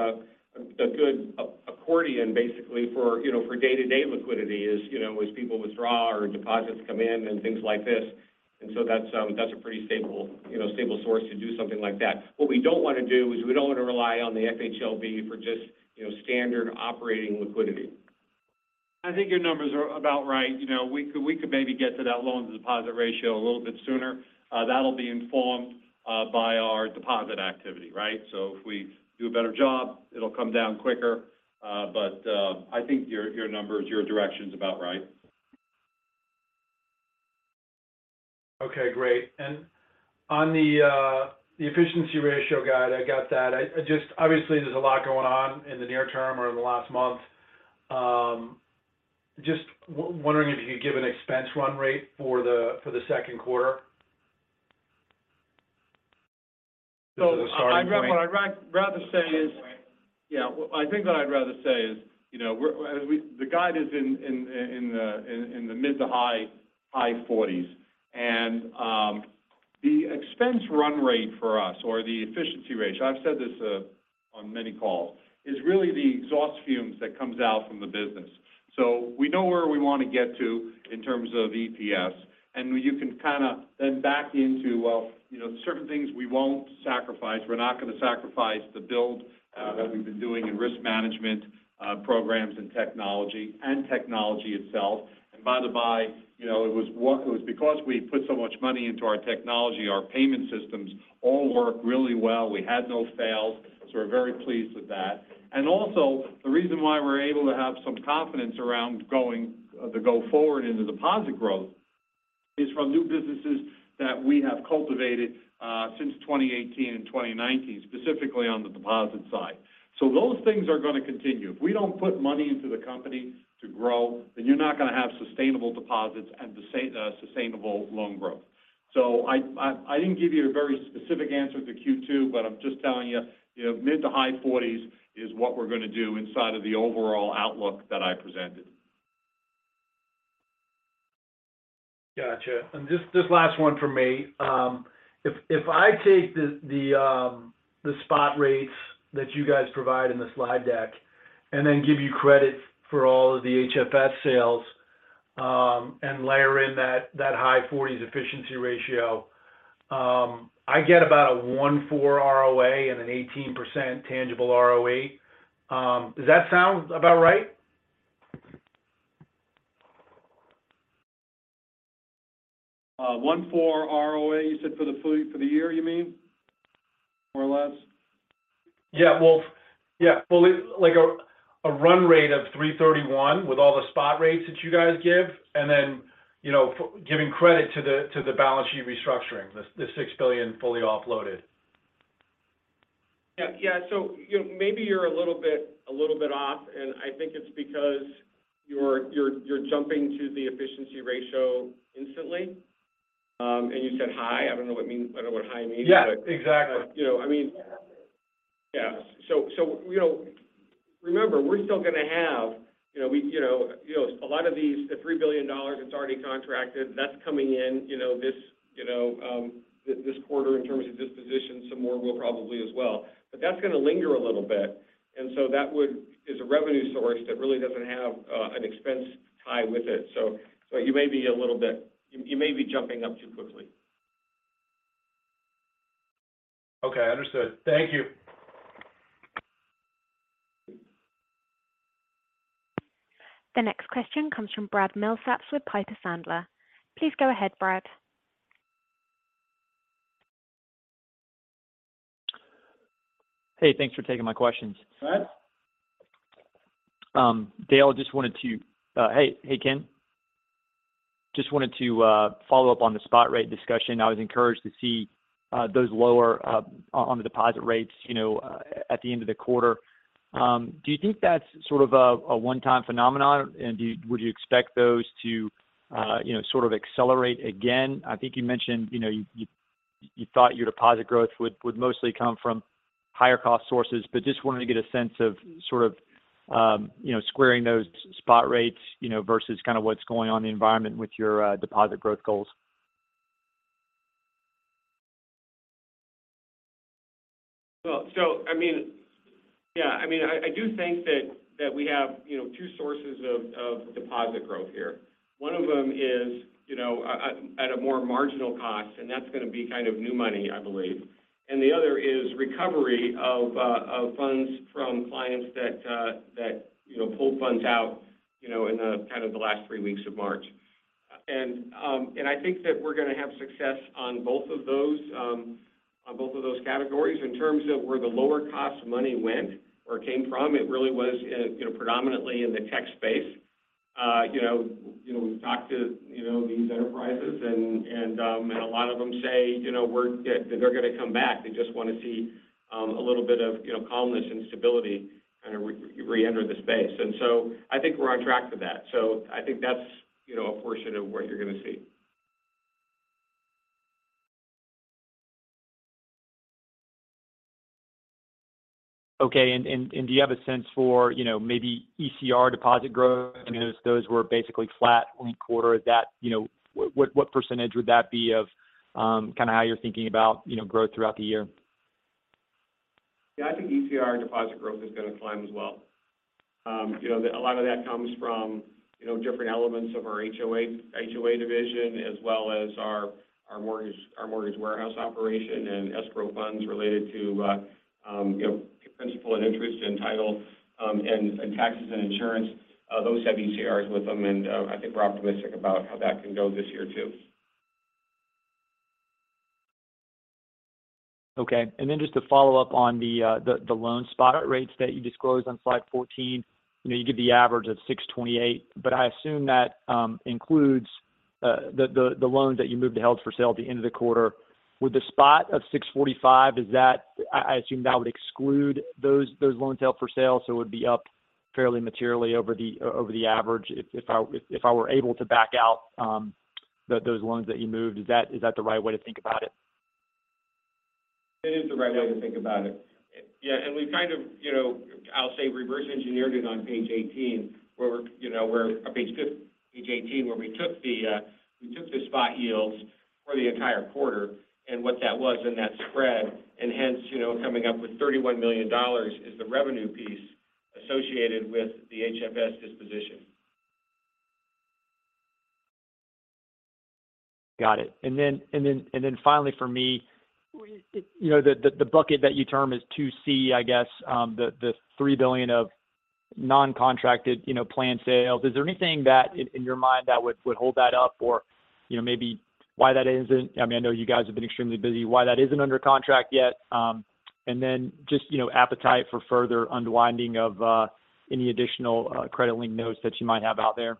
a good accordion basically for, you know, for day-to-day liquidity is, you know, as people withdraw or deposits come in and things like this. That's a pretty stable, you know, stable source to do something like that. What we don't want to do is we don't want to rely on the FHLB for just, you know, standard operating liquidity. I think your numbers are about right. You know, we could, we could maybe get to that loan-to-deposit ratio a little bit sooner. That'll be informed by our deposit activity, right? If we do a better job, it'll come down quicker. I think your numbers, your direction's about right. Okay, great. On the efficiency ratio guide, I got that. I just, obviously, there's a lot going on in the near term or in the last month. Just wondering if you could give an expense run rate for the second quarter. I think what I'd rather say is, you know, the guide is in the mid to high 40s. The expense run rate for us or the efficiency ratio, I've said this on many calls, is really the exhaust fumes that comes out from the business. We know where we want to get to in terms of EPS. You can kind of then back into, well, you know, certain things we won't sacrifice. We're not going to sacrifice the build that we've been doing in risk management programs and technology, and technology itself. By the by, you know, it was because we put so much money into our technology, our payment systems all work really well. We had no fails. We're very pleased with that. Also the reason why we're able to have some confidence around going the go forward into deposit growth is from new businesses that we have cultivated since 2018 and 2019, specifically on the deposit side. Those things are going to continue. If we don't put money into the company to grow, you're not going to have sustainable deposits and sustainable loan growth. I didn't give you a very specific answer to Q two. I'm just telling you know, mid to high forties is what we're going to do inside of the overall outlook that I presented. Gotcha. This last one from me. If I take the spot rates that you guys provide in the slide deck and then give you credit for all of the HFS sales, and layer in that high 40s efficiency ratio, I get about a 14% ROA and an 18% tangible ROE. Does that sound about right? 14% ROA you said for the year, you mean? More or less. Yeah. Well, like a run rate of $331 with all the spot rates that you guys give and then, you know, giving credit to the balance sheet restructuring, the $6 billion fully offloaded. Yeah. Yeah. You know, maybe you're a little bit off, and I think it's because you're jumping to the efficiency ratio instantly. You said high. I don't know what high means. Yeah, exactly. You know, I mean. Yeah. You know, remember, we're still going to have, you know, we, you know, a lot of these, the $3 billion that's already contracted, that's coming in, you know, this, you know, this quarter in terms of disposition, some more will probably as well. That's going to linger a little bit. That is a revenue source that really doesn't have an expense tie with it. You may be a little bit, you may be jumping up too quickly. Okay. Understood. Thank you. The next question comes from Brad Milsaps with Piper Sandler. Please go ahead, Brad. Hey, thanks for taking my questions. Go ahead. Dale, just wanted to, hey, Ken. Just wanted to follow up on the spot rate discussion. I was encouraged to see those lower on the deposit rates, you know, at the end of the quarter. Do you think that's sort of a one-time phenomenon? Would you expect those to, you know, sort of accelerate again? I think you mentioned, you know, you thought your deposit growth would mostly come from higher cost sources. Just wanted to get a sense of sort of, you know, squaring those spot rates, you know, versus kind of what's going on in the environment with your deposit growth goals. I mean, yeah. I mean, I do think that we have, you know, 2 sources of deposit growth here. One of them is, you know, at a more marginal cost, and that's going to be kind of new money, I believe. The other is recovery of funds from clients that, you know, pulled funds out, you know, in the kind of the last 3 weeks of March. I think that we're going to have success on both of those, on both of those categories. In terms of where the lower cost money went or came from, it really was in, you know, predominantly in the tech space. You know, we've talked to, you know, these enterprises and a lot of them say, you know, that they're going to come back. They just want to see a little bit of, you know, calmness and stability kind of reenter the space. I think we're on track for that. I think that's, you know, a portion of what you're going to see. Okay. Do you have a sense for, you know, maybe ECR deposit growth? I mean, those were basically flat linked quarter. Is that, you know, what percentage would that be of, kind of how you're thinking about, you know, growth throughout the year? I think ECR deposit growth is going to climb as well. You know, a lot of that comes from, you know, different elements of our HOA division as well as our mortgage warehouse operation and escrow funds related to, you know, principal and interest and title, and taxes and insurance. Those have ECRs with them, and I think we're optimistic about how that can go this year too. Okay. Just to follow up on the loan spot rates that you disclosed on slide 14. You know, you give the average of 6.28%, but I assume that includes the loans that you moved to held for sale at the end of the quarter. With the spot of 6.45%, is that I assume that would exclude those loans held for sale, so it would be up fairly materially over the average if I were able to back out Those loans that you moved, is that the right way to think about it? It is the right way to think about it. Yeah, we've kind of, you know, I'll say reverse engineered it on page 18 where we're, you know, or page 15, page 18 where we took the spot yields for the entire quarter and what that was in that spread. Hence, you know, coming up with $31 million is the revenue piece associated with the HFS disposition. Got it. Finally for me, you know, the bucket that you term as two C, I guess, the $3 billion of non-contracted, you know, planned sales. Is there anything that in your mind that would hold that up or, you know, I mean, I know you guys have been extremely busy. Why that isn't under contract yet? Just, you know, appetite for further unwinding of any additional credit lien notes that you might have out there?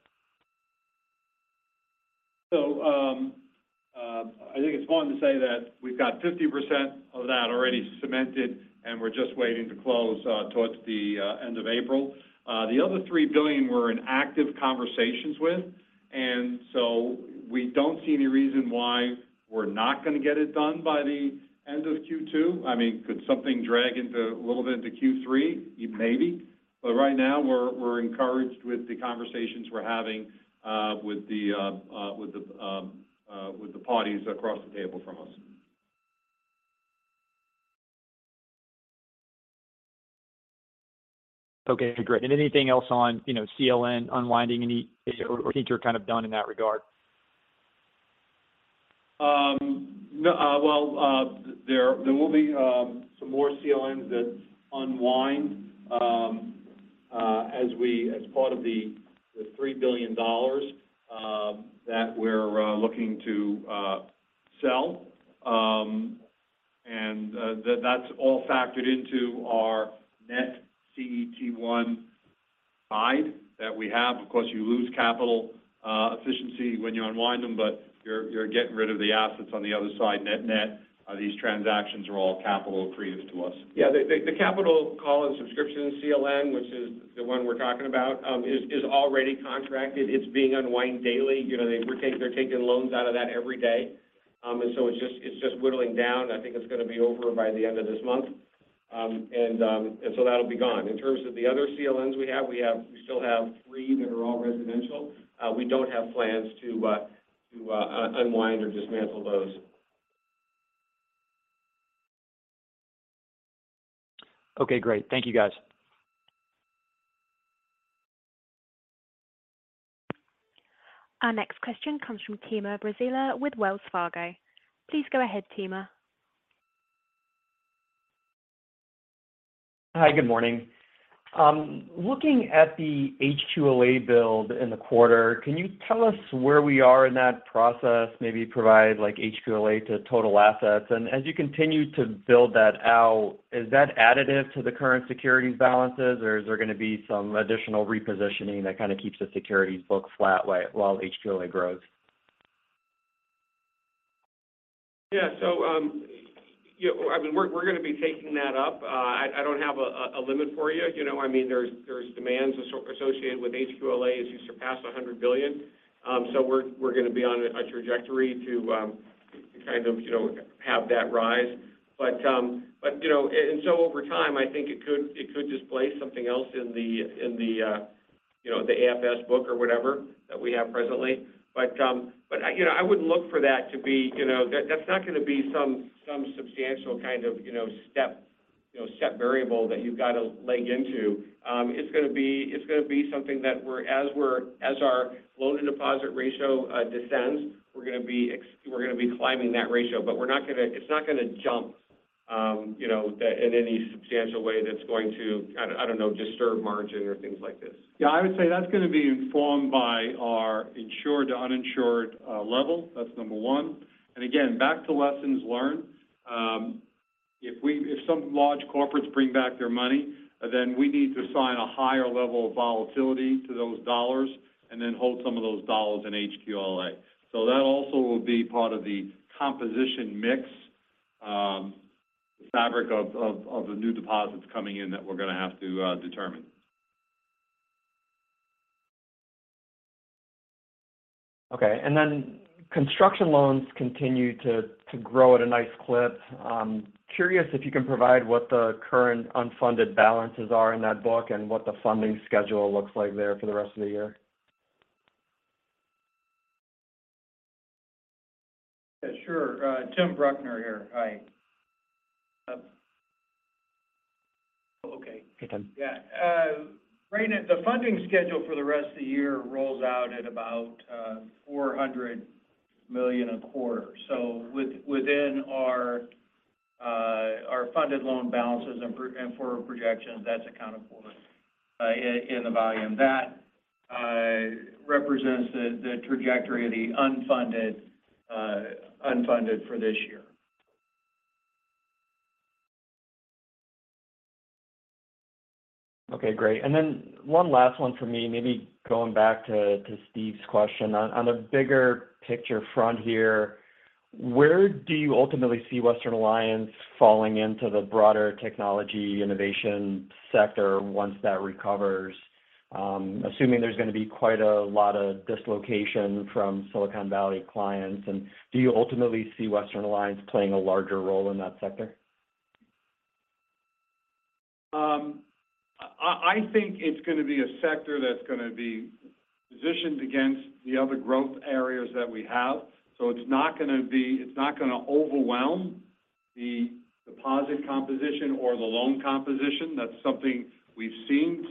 I think it's important to say that we've got 50% of that already cemented, and we're just waiting to close towards the end of April. The other $3 billion we're in active conversations with, and so we don't see any reason why we're not going to get it done by the end of Q2. I mean, could something drag into a little bit into Q3? Maybe. Right now we're encouraged with the conversations we're having with the parties across the table from us. Okay. Great. Anything else on, you know, CLN unwinding any or kind of done in that regard? Well, there will be some more CLNs that unwind as part of the $3 billion that we're looking to sell. That's all factored into our net CET1 guide that we have. Of course, you lose capital efficiency when you unwind them, but you're getting rid of the assets on the other side. Net net, these transactions are all capital accretive to us. Yeah. The capital call and subscription CLN, which is the one we're talking about, is already contracted. It's being unwind daily. You know, they're taking loans out of that every day. It's just whittling down. I think it's going to be over by the end of this month. That'll be gone. In terms of the other CLNs we still have three that are all residential. We don't have plans to unwind or dismantle those. Okay, great. Thank you, guys. Our next question comes from Timur Braziler with Wells Fargo. Please go ahead, Tamer. Hi. Good morning. Looking at the HQLA build in the quarter, can you tell us where we are in that process? Maybe provide like HQLA to total assets. As you continue to build that out, is that additive to the current securities balances, or is there going to be some additional repositioning that kind of keeps the securities book flat while HQLA grows? Yeah. You know, I mean, we're going to be taking that up. I don't have a limit for you. You know, I mean, there's demands associated with HQLA as you surpass $100 billion. We're going to be on a trajectory to kind of, you know, have that rise. You know over time, I think it could displace something else in the, in the, you know, the AFS book or whatever that we have presently. You know, I wouldn't look for that to be, you know, that's not going to be some substantial kind of, you know, step variable that you've got to leg into. It's going to be, it's going to be something that as our loan-to-deposit ratio descends, we're going to be climbing that ratio. It's not going to jump, you know, in any substantial way that's going to, I don't know, disturb margin or things like this. Yeah. I would say that's going to be informed by our insured to uninsured level. That's number one. Again, back to lessons learned. If some large corporates bring back their money, then we need to assign a higher level of volatility to those dollars and then hold some of those dollars in HQLA. That also will be part of the composition mix, the fabric of, of the new deposits coming in that we're going to have to determine. Okay. Then construction loans continue to grow at a nice clip. Curious if you can provide what the current unfunded balances are in that book and what the funding schedule looks like there for the rest of the year? Yeah, sure. Tim Bruckner here. Hi. Okay. Hey, Tim. Right now the funding schedule for the rest of the year rolls out at about $400 million a quarter. Within our funded loan balances and for projections, that's accounted for in the volume. That represents the trajectory of the unfunded for this year. Okay, great. One last one for me, maybe going back to Steve's question, on a bigger picture front here, where do you ultimately see Western Alliance falling into the broader technology innovation sector once that recovers? Assuming there's gonna be quite a lot of dislocation from Silicon Valley clients and do you ultimately see Western Alliance playing a larger role in that sector? I think it's gonna be a sector that's gonna be positioned against the other growth areas that we have. It's not gonna overwhelm the deposit composition or the loan composition. That's something we've seen.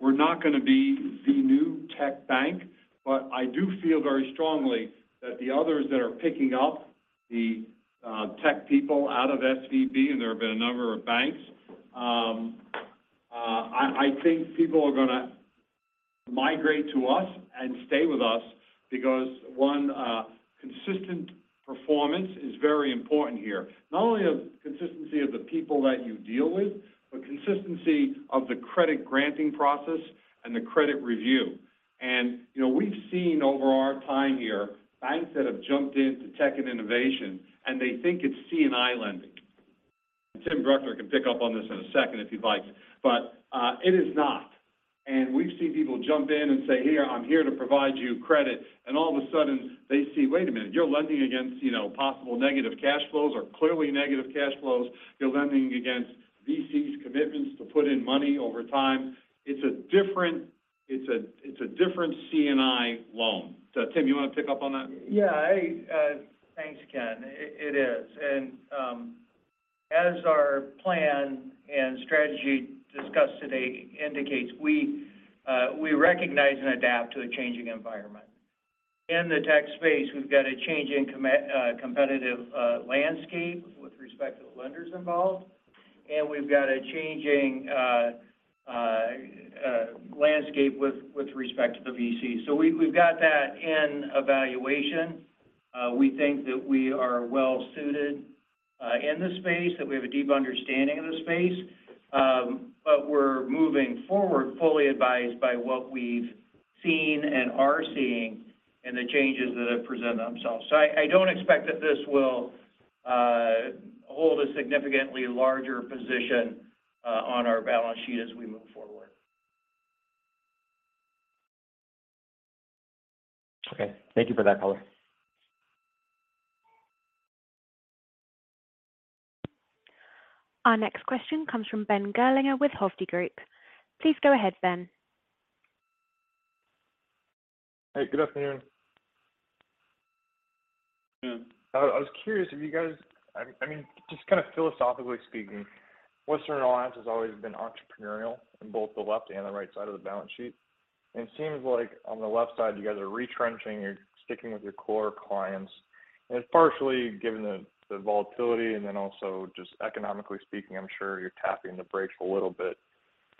We're not gonna be the new tech bank. I do feel very strongly that the others that are picking up the tech people out of SVB, and there have been a number of banks, I think people are gonna migrate to us and stay with us because one, consistent performance is very important here. Not only of consistency of the people that you deal with, but consistency of the credit granting process and the credit review. You know, we've seen over our time here, banks that have jumped into tech and innovation, and they think it's C&I lending. Tim Bruckner can pick up on this in a second if he'd likes. It is not. We've seen people jump in and say, "Hey, I'm here to provide you credit." All of a sudden they see, wait a minute, you're lending against, you know, possible negative cash flows or clearly negative cash flows. You're lending against VCs commitments to put in money over time. It's a different C&I loan. Tim, you wanna pick up on that? Yeah, I, thanks, Ken. It is. As our plan and strategy discussed today indicates, we recognize and adapt to a changing environment. In the tech space, we've got a change in competitive landscape with respect to the lenders involved, and we've got a changing landscape with respect to the VC. We've got that in evaluation. We think that we are well suited in the space, that we have a deep understanding of the space. But we're moving forward fully advised by what we've seen and are seeing and the changes that have presented themselves. I don't expect that this will hold a significantly larger position on our balance sheet as we move forward. Okay. Thank you for that color. Our next question comes from Ben Gerlinger with Hovde Group. Please go ahead, Ben. Hey, good afternoon. Yeah. I was curious if you guys, I mean, just kind of philosophically speaking, Western Alliance has always been entrepreneurial in both the left and the right side of the balance sheet. It seems like on the left side, you guys are retrenching, you're sticking with your core clients. It's partially given the volatility and then also just economically speaking, I'm sure you're tapping the brakes a little bit.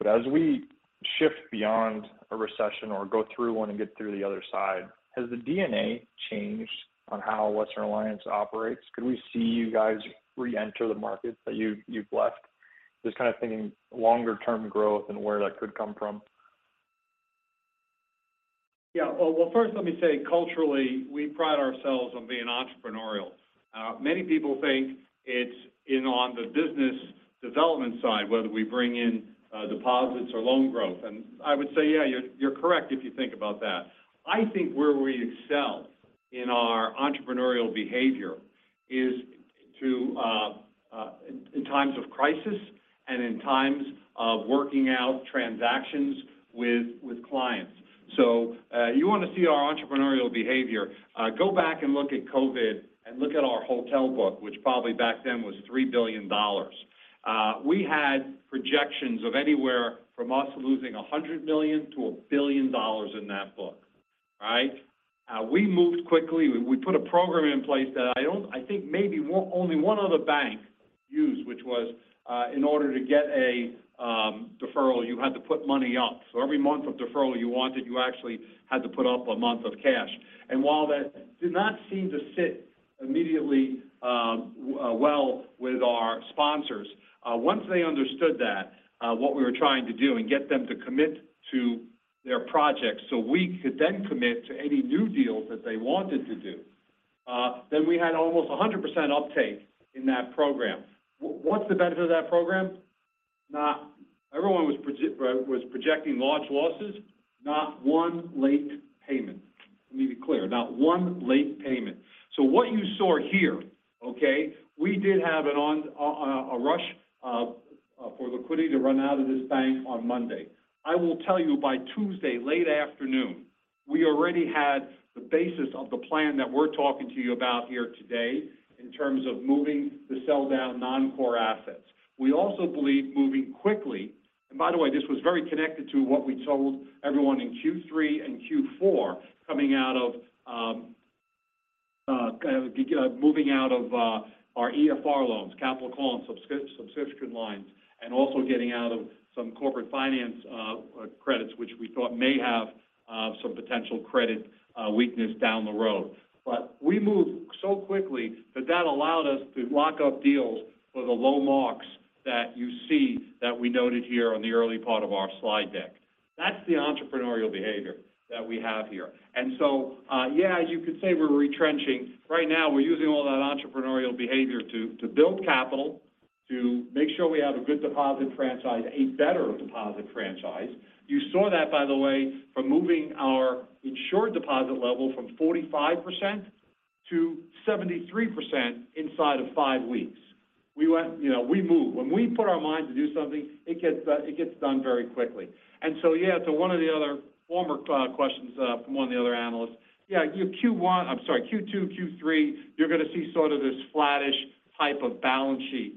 As we shift beyond a recession or go through one and get through the other side, has the DNA changed on how Western Alliance operates? Could we see you guys reenter the markets that you've left? Just kind of thinking longer term growth and where that could come from? Well, first let me say culturally, we pride ourselves on being entrepreneurial. Many people think it's in on the business development side, whether we bring in deposits or loan growth. I would say, yeah, you're correct if you think about that. I think where we excel in our entrepreneurial behavior is to in times of crisis and in times of working out transactions with clients. You wanna see our entrepreneurial behavior, go back and look at COVID and look at our hotel book, which probably back then was $3 billion. We had projections of anywhere from us losing $100 million-$1 billion in that book, right? We moved quickly. We put a program in place that I think only 1 other bank used, which was, in order to get a deferral, you had to put money up. Every month of deferral you wanted, you actually had to put up a month of cash. While that did not seem to sit immediately well with our sponsors, once they understood that what we were trying to do and get them to commit to their projects so we could then commit to any new deals that they wanted to do, then we had almost 100% uptake in that program. What's the benefit of that program? Not everyone was projecting large losses, not 1 late payment. Let me be clear. Not 1 late payment. What you saw here, we did have a rush for liquidity to run out of this bank on Monday. I will tell you by Tuesday, late afternoon, we already had the basis of the plan that we're talking to you about here today in terms of moving to sell down non-core assets. We also believe moving quickly, and by the way, this was very connected to what we told everyone in Q3 and Q4 coming out of kind of moving out of our EFR loans, capital call and subscription lines, and also getting out of some corporate finance credits, which we thought may have some potential credit weakness down the road. We moved so quickly that that allowed us to lock up deals for the low marks that you see that we noted here on the early part of our slide deck. That's the entrepreneurial behavior that we have here. So, yeah, you could say we're retrenching. Right now, we're using all that entrepreneurial behavior to build capital to make sure we have a good deposit franchise, a better deposit franchise. You saw that by the way, from moving our insured deposit level from 45%-73% inside of 5 weeks. You know, we moved. When we put our mind to do something, it gets done very quickly. So, yeah, to one of the other former questions from one of the other analysts. Yeah, your Q1-- I'm sorry, Q2, Q3, you're going to see sort of this flattish type of balance sheet.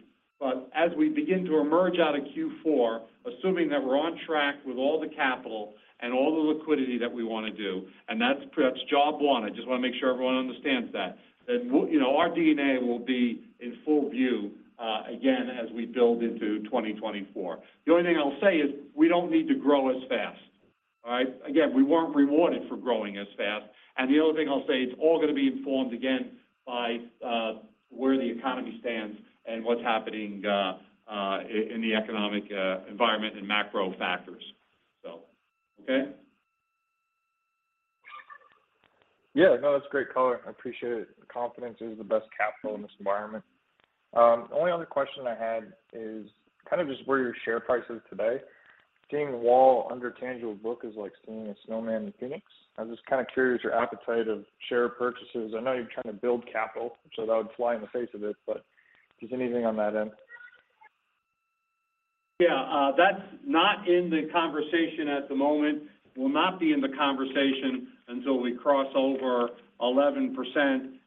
As we begin to emerge out of Q4, assuming that we're on track with all the capital and all the liquidity that we want to do, and that's perhaps job one. I just want to make sure everyone understands that. you know, our DNA will be in full view, again as we build into 2024. The only thing I'll say is we don't need to grow as fast. All right. Again, we weren't rewarded for growing as fast. The other thing I'll say, it's all going to be informed again by where the economy stands and what's happening in the economic environment and macro factors. Okay. Yeah, no, that's a great color. I appreciate it. Confidence is the best capital in this environment. The only other question I had is where your share price is today. Seeing WAL under tangible book is like seeing a snowman in Phoenix. I'm curious your appetite of share purchases. I know you're trying to build capital, so that would fly in the face of it, but is there anything on that end? Yeah, that's not in the conversation at the moment. Will not be in the conversation until we cross over 11%.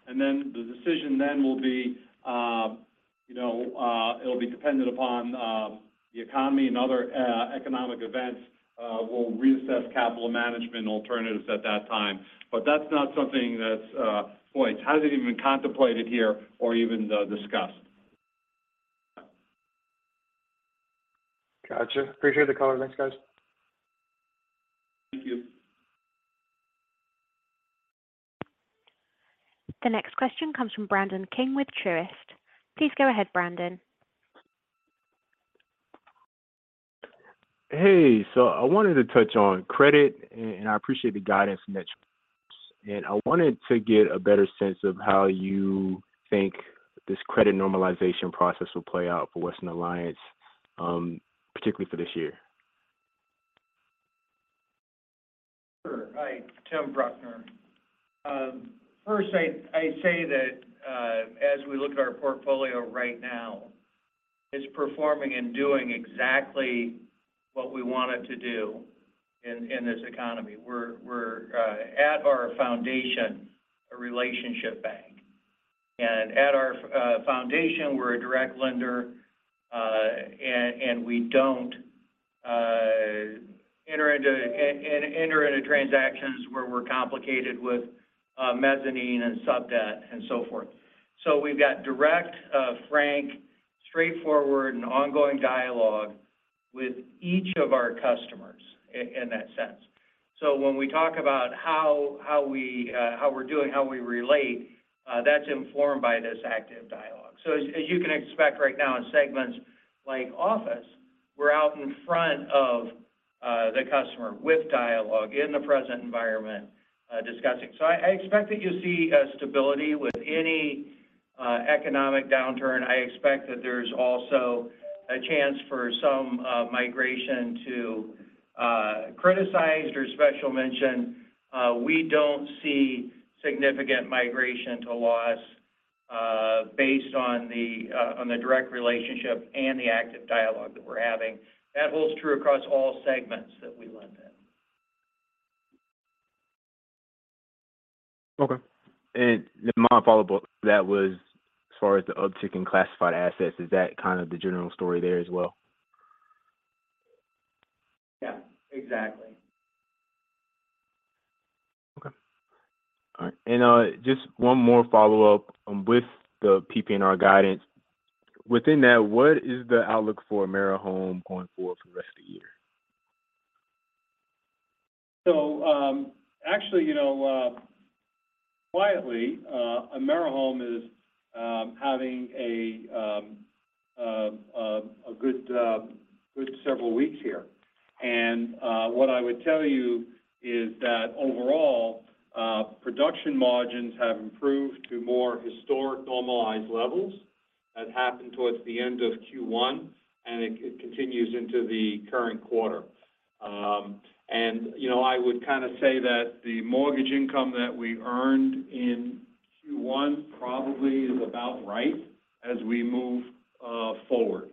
The decision then will be, you know, it'll be dependent upon the economy and other economic events. We'll reassess capital management alternatives at that time. That's not something that's boy, it hasn't even been contemplated here or even discussed. Gotcha. Appreciate the color. Thanks, guys. Thank you. The next question comes from Brandon King with Truist. Please go ahead, Brandon. Hey. I wanted to touch on credit, and I appreciate the guidance from that. I wanted to get a better sense of how you think this credit normalization process will play out for Western Alliance, particularly for this year. Sure. Hi, Tim Bruckner. First, I'd say that as we look at our portfolio right now, it's performing and doing exactly what we want it to do in this economy. We're at our foundation, a relationship bank. At our foundation, we're a direct lender, and we don't enter into transactions where we're complicated with mezzanine and sub debt and so forth. We've got direct, frank, straightforward and ongoing dialogue with each of our customers in that sense. When we talk about how we're doing, how we relate, that's informed by this active dialogue. As you can expect right now in segments like office, we're out in front of the customer with dialogue in the present environment, discussing. I expect that you'll see stability with any economic downturn. I expect that there's also a chance for some migration to criticized or special mention. We don't see significant migration to loss based on the direct relationship and the active dialogue that we're having. That holds true across all segments that we lend in. Okay. My follow-up on that was as far as the up-ticket classified assets, is that kind of the general story there as well? Yeah, exactly. Okay. All right. Just one more follow-up with the PPNR guidance. Within that, what is the outlook for AmeriHome going forward for the rest of the year? Actually, you know, quietly, AmeriHome is having a good several weeks here. What I would tell you is that overall, production margins have improved to more historic normalized levels. That happened towards the end of Q1, and it continues into the current quarter. You know, I would kind of say that the mortgage income that we earned in Q1 probably is about right as we move forward.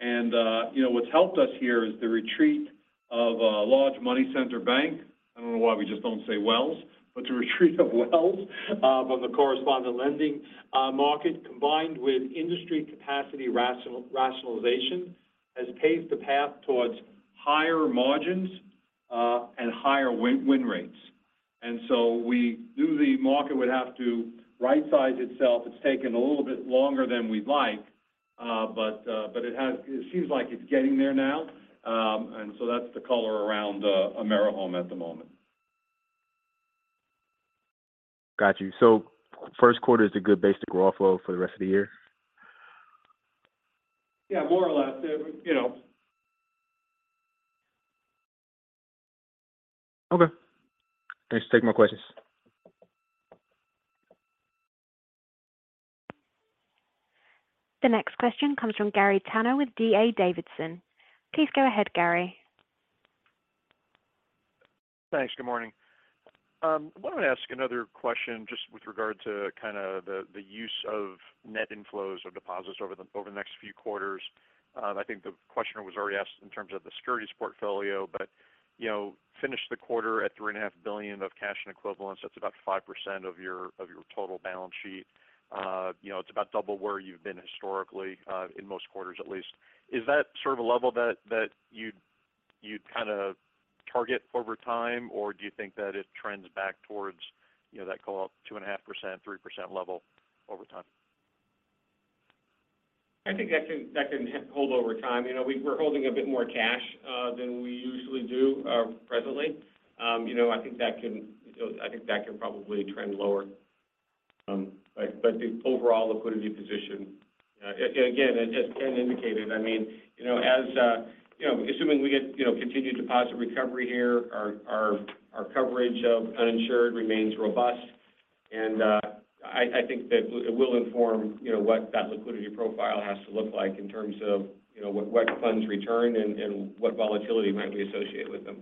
You know, what's helped us here is the retreat of a large money center bank. I don't know why we just don't say Wells, but the retreat of Wells on the correspondent lending market combined with industry capacity rationalization has paved the path towards higher margins and higher win-win rates. We knew the market would have to rightsize itself. It's taken a little bit longer than we'd like, but it seems like it's getting there now. That's the color around AmeriHome at the moment. Got you. First quarter is a good basic raw flow for the rest of the year? Yeah, more or less. Okay. Thanks. Take more questions. The next question comes from Gary Tenner with D.A. Davidson. Please go ahead, Gary. Thanks. Good morning. Wanted to ask another question just with regard to kind of the use of net inflows or deposits over the, over the next few quarters. I think the question was already asked in terms of the securities portfolio, but, you know, finished the quarter at three and a half billion of cash and equivalents. That's about 5% of your, of your total balance sheet. You know, it's about double where you've been historically in most quarters at least. Is that sort of a level that you'd kind of target over time, or do you think that it trends back towards, you know, that call out 2.5%, 3% level over time? I think that can hold over time. You know, we're holding a bit more cash than we usually do presently. You know, I think that can, you know, I think that can probably trend lower. But the overall liquidity position again, as Ken indicated, I mean, you know, as, you know, assuming we get, you know, continued deposit recovery here, our coverage of uninsured remains robust. I think that it will inform, you know, what that liquidity profile has to look like in terms of, you know, what funds return and what volatility might we associate with them.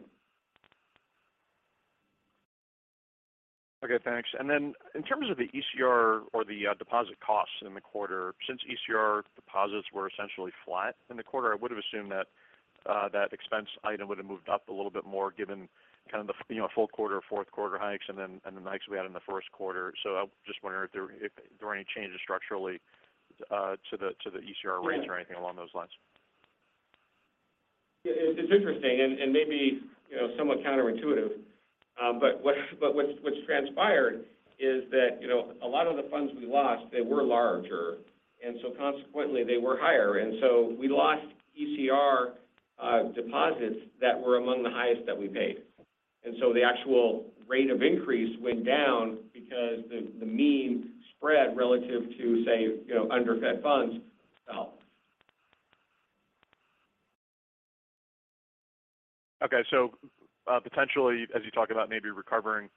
Okay, thanks. In terms of the ECR or the deposit costs in the quarter, since ECR deposits were essentially flat in the quarter, I would have assumed that expense item would have moved up a little bit more given kind of the, you know, full quarter, fourth quarter hikes and then, and the hikes we had in the first quarter. I was just wondering if there were any changes structurally to the ECR rates or anything along those lines. Yeah. It's interesting and maybe, you know, somewhat counterintuitive. What's transpired is that, you know, a lot of the funds we lost, they were larger, and so consequently they were higher. We lost ECR deposits that were among the highest that we paid. The actual rate of increase went down because the mean spread relative to say, you know, under Fed funds fell. Potentially, as you talk about maybe recovering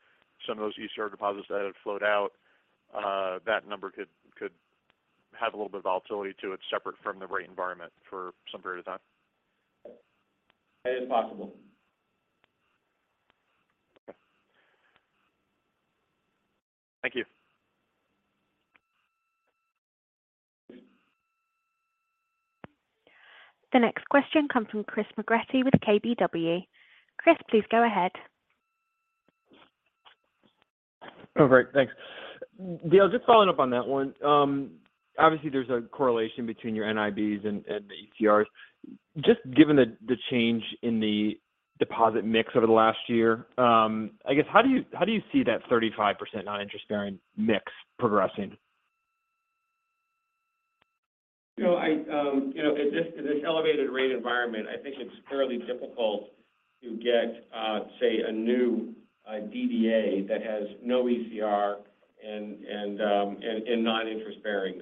some of those ECR deposits that have flowed out, that number could have a little bit of volatility to it separate from the rate environment for some period of time? It is possible. Okay. Thank you. The next question comes from Chris McGratty with KBW. Chris, please go ahead. Oh, great. Thanks. Dale, just following up on that one. Obviously there's a correlation between your NIBs and the ECRs. Just given the change in the deposit mix over the last year, I guess how do you see that 35% non-interest-bearing mix progressing? You know, I, you know, in this elevated rate environment, I think it's fairly difficult to get, say a new DDA that has no ECR and non-interest bearing.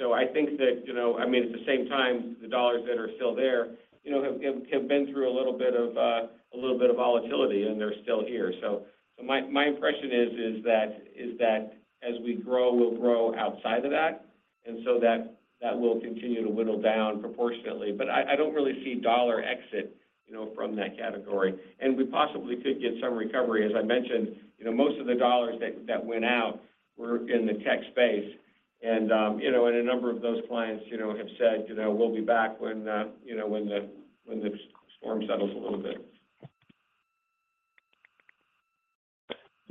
I think that, you know, I mean, at the same time, the dollars that are still there, you know, have been through a little bit of volatility, and they're still here. My impression is that as we grow, we'll grow outside of that. That will continue to whittle down proportionately. I don't really see dollar exit, you know, from that category. We possibly could get some recovery. As I mentioned, you know, most of the dollars that went out were in the tech space. You know, and a number of those clients, you know, have said, you know, "We'll be back when, you know, when the storm settles a little bit.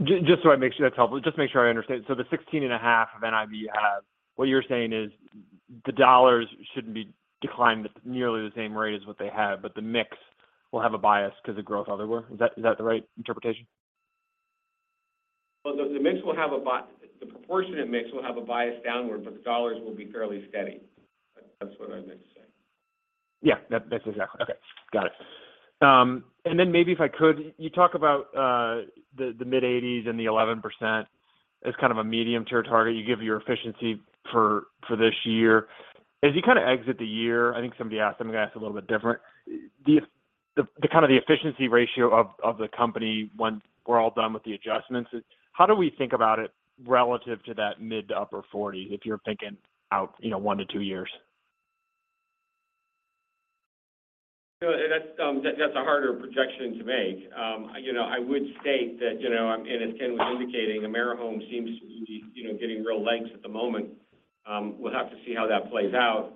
Just so I make sure that's helpful. Just make sure I understand. The sixteen and a half of NIB you have, what you're saying is the dollars shouldn't be declined at nearly the same rate as what they have, but the mix will have a bias because of growth elsewhere. Is that the right interpretation? Well, the proportionate mix will have a bias downward, but the dollars will be fairly steady. That's what I meant to say. Yeah. That's exactly. Okay. Got it. Maybe if I could, you talk about the mid-80s and the 11% as kind of a medium-term target. You give your efficiency for this year. As you kind of exit the year, I think somebody asked a little bit different, the kind of the efficiency ratio of the company when we're all done with the adjustments, how do we think about it relative to that mid to upper 40, if you're thinking out, you know, one to two years? That's a harder projection to make. You know, I would state that, you know, and as Ken was indicating, AmeriHome seems to be, you know, getting real legs at the moment. We'll have to see how that plays out.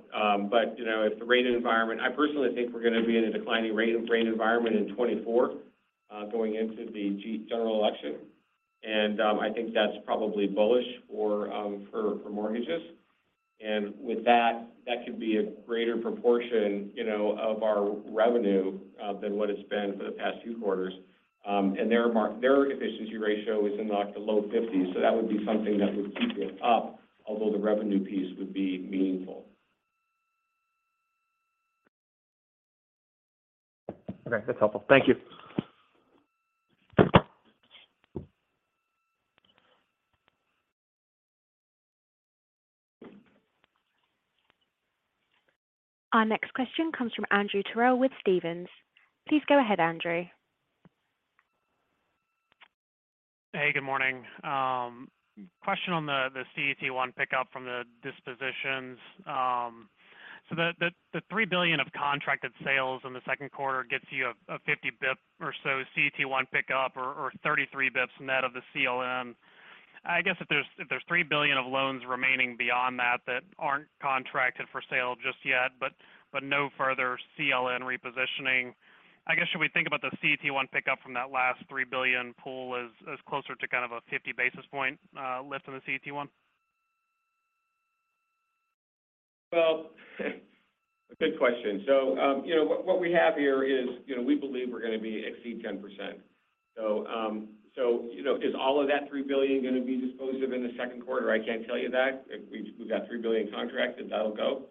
You know, if the rate environment, I personally think we're going to be in a declining rate environment in 2024, going into the general election. I think that's probably bullish for, for mortgages. With that could be a greater proportion, you know, of our revenue than what it's been for the past few quarters. Their efficiency ratio is in like the low fifties. That would be something that would keep it up, although the revenue piece would be meaningful. Okay. That's helpful. Thank you. Our next question comes from Andrew Terrell with Stephens. Please go ahead, Andrew. Hey, good morning. Question on the CET1 pickup from the dispositions? The $3 billion of contracted sales in the second quarter gets you a 50 basis points or so CET1 pickup or 33 basis points net of the CLN. I guess if there's $3 billion of loans remaining beyond that aren't contracted for sale just yet, but no further CLN repositioning. I guess, should we think about the CET1 pickup from that last $3 billion pool as closer to kind of a 50 basis point lift on the CET1? A good question. You know, what we have here is, you know, we believe we're gonna exceed 10%. So, you know, is all of that $3 billion gonna be disposed of in the second quarter? I can't tell you that. If we've got $3 billion contracts, then that'll go.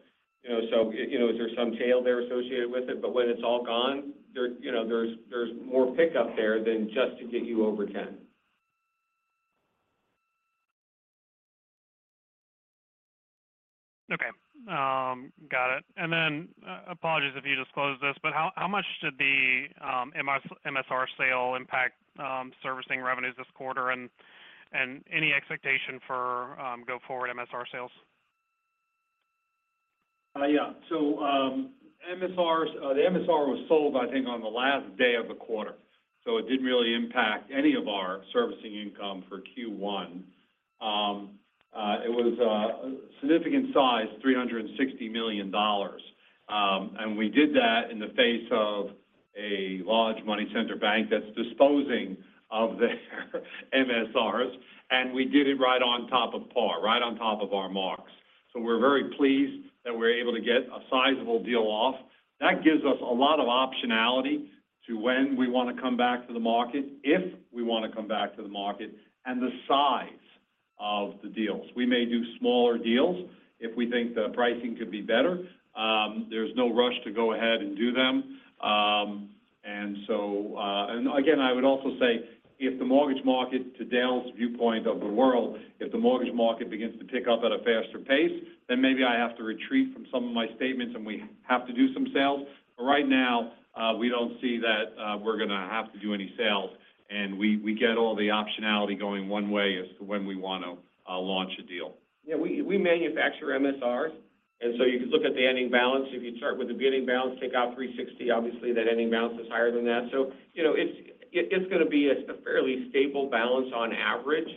You know, so, you know, is there some tail there associated with it? When it's all gone there, you know, there's more pickup there than just to get you over 10. Okay. Got it. Apologies if you disclosed this, but how much did the MSR sale impact servicing revenues this quarter and any expectation for go forward MSR sales? Yeah. MSRs, the MSR was sold I think on the last day of the quarter, so it didn't really impact any of our servicing income for Q1. It was a significant size, $360 million. We did that in the face of a large money center bank that's disposing of their MSRs, and we did it right on top of par, right on top of our marks. We're very pleased that we're able to get a sizable deal off. That gives us a lot of optionality to when we want to come back to the market, if we want to come back to the market, and the size of the deals. We may do smaller deals if we think the pricing could be better. There's no rush to go ahead and do them. Again, I would also say if the mortgage market, to Dale's viewpoint of the world, if the mortgage market begins to pick up at a faster pace, then maybe I have to retreat from some of my statements and we have to do some sales. Right now, we don't see that we're gonna have to do any sales, and we get all the optionality going one way as to when we want to launch a deal. Yeah. We manufacture MSRs, and so you can look at the ending balance. If you start with the beginning balance, take out 360, obviously that ending balance is higher than that. You know, it's gonna be a fairly stable balance on average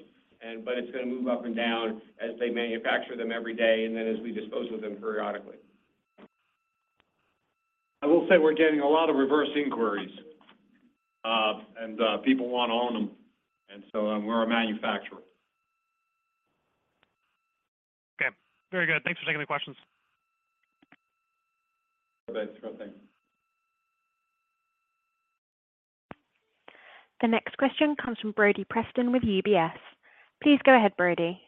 but it's gonna move up and down as they manufacture them every day and then as we dispose of them periodically. I will say we're getting a lot of reverse inquiries, and people want to own them. We're a manufacturer. Okay. Very good. Thanks for taking the questions. Okay. Sure thing. The next question comes from Brody Preston with UBS. Please go ahead, Brody.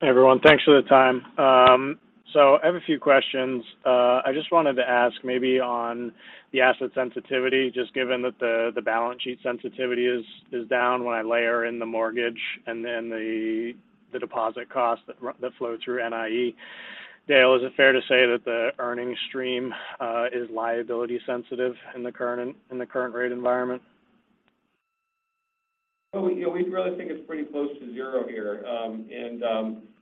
Hey, everyone. Thanks for the time. I have a few questions. I just wanted to ask maybe on the asset sensitivity, just given that the balance sheet sensitivity is down when I layer in the mortgage and then the deposit costs that flow through NIE. Dale, is it fair to say that the earnings stream is liability sensitive in the current rate environment? Oh, you know, we really think it's pretty close to 0 here.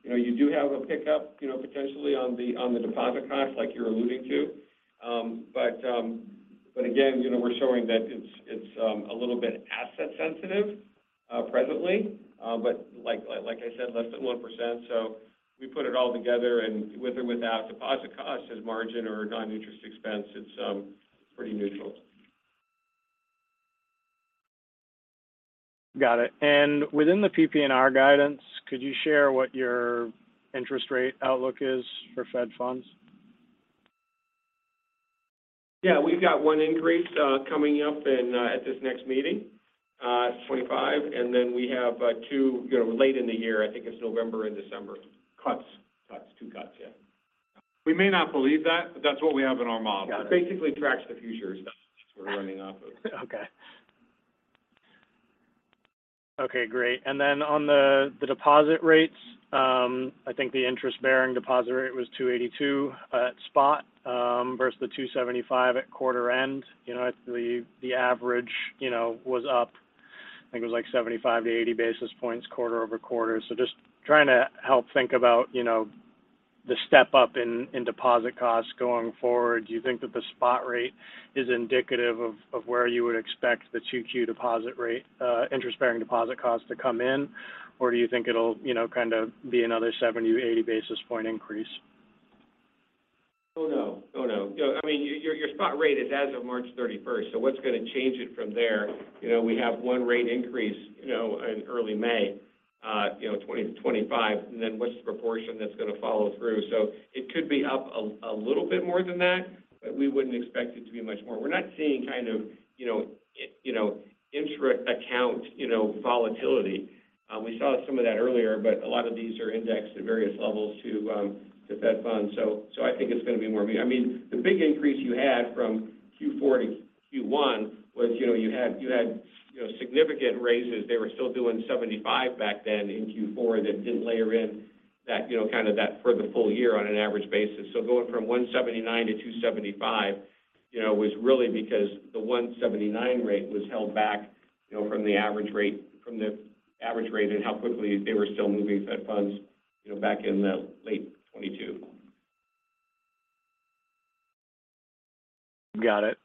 You know, you do have a pickup, you know, potentially on the deposit cost like you're alluding to. Again, you know, we're showing that it's a little bit asset sensitive, presently. But like I said, less than 1%. We put it all together and with or without deposit costs as margin or non-interest expense, it's pretty neutral. Got it. Within the PPNR guidance, could you share what your interest rate outlook is for Fed funds? Yeah. We've got one increase, coming up in, at this next meeting, it's 25. Then we have, two, you know, late in the year, I think it's November and December. Cuts. Cuts. Two cuts. Yeah. We may not believe that, but that's what we have in our model. Yeah. Basically tracks the futures we're running off of. Okay. Okay, great. I think the interest-bearing deposit rate was 2.82% at spot versus the 2.75% at quarter end. You know, the average, you know, was up, I think it was like 75-80 basis points quarter-over-quarter. Just trying to help think about, you know, the step-up in deposit costs going forward. Do you think that the spot rate is indicative of where you would expect the 2Q deposit rate, interest-bearing deposit costs to come in? Do you think it'll, you know, kind of be another 70-80 basis point increase? Oh, no. Oh, no. You know, I mean, your spot rate is as of March 31st, what's going to change it from there? You know, we have 1 rate increase, you know, in early May, you know, 20%-25%, and then what's the proportion that's going to follow through? It could be up a little bit more than that, but we wouldn't expect it to be much more. We're not seeing kind of, you know, intra account, you know, volatility. We saw some of that earlier, but a lot of these are indexed at various levels to Fed Funds. I think it's going to be more I mean, the big increase you had from Q4 to Q1 was, you had, you know, significant raises. They were still doing 75 back then in Q4 that didn't layer in. That, you know, kind of that for the full year on an average basis. Going from 179 to 275, you know, was really because the 179 rate was held back, you know, from the average rate and how quickly they were still moving Fed funds, you know, back in the late 2022. Got it.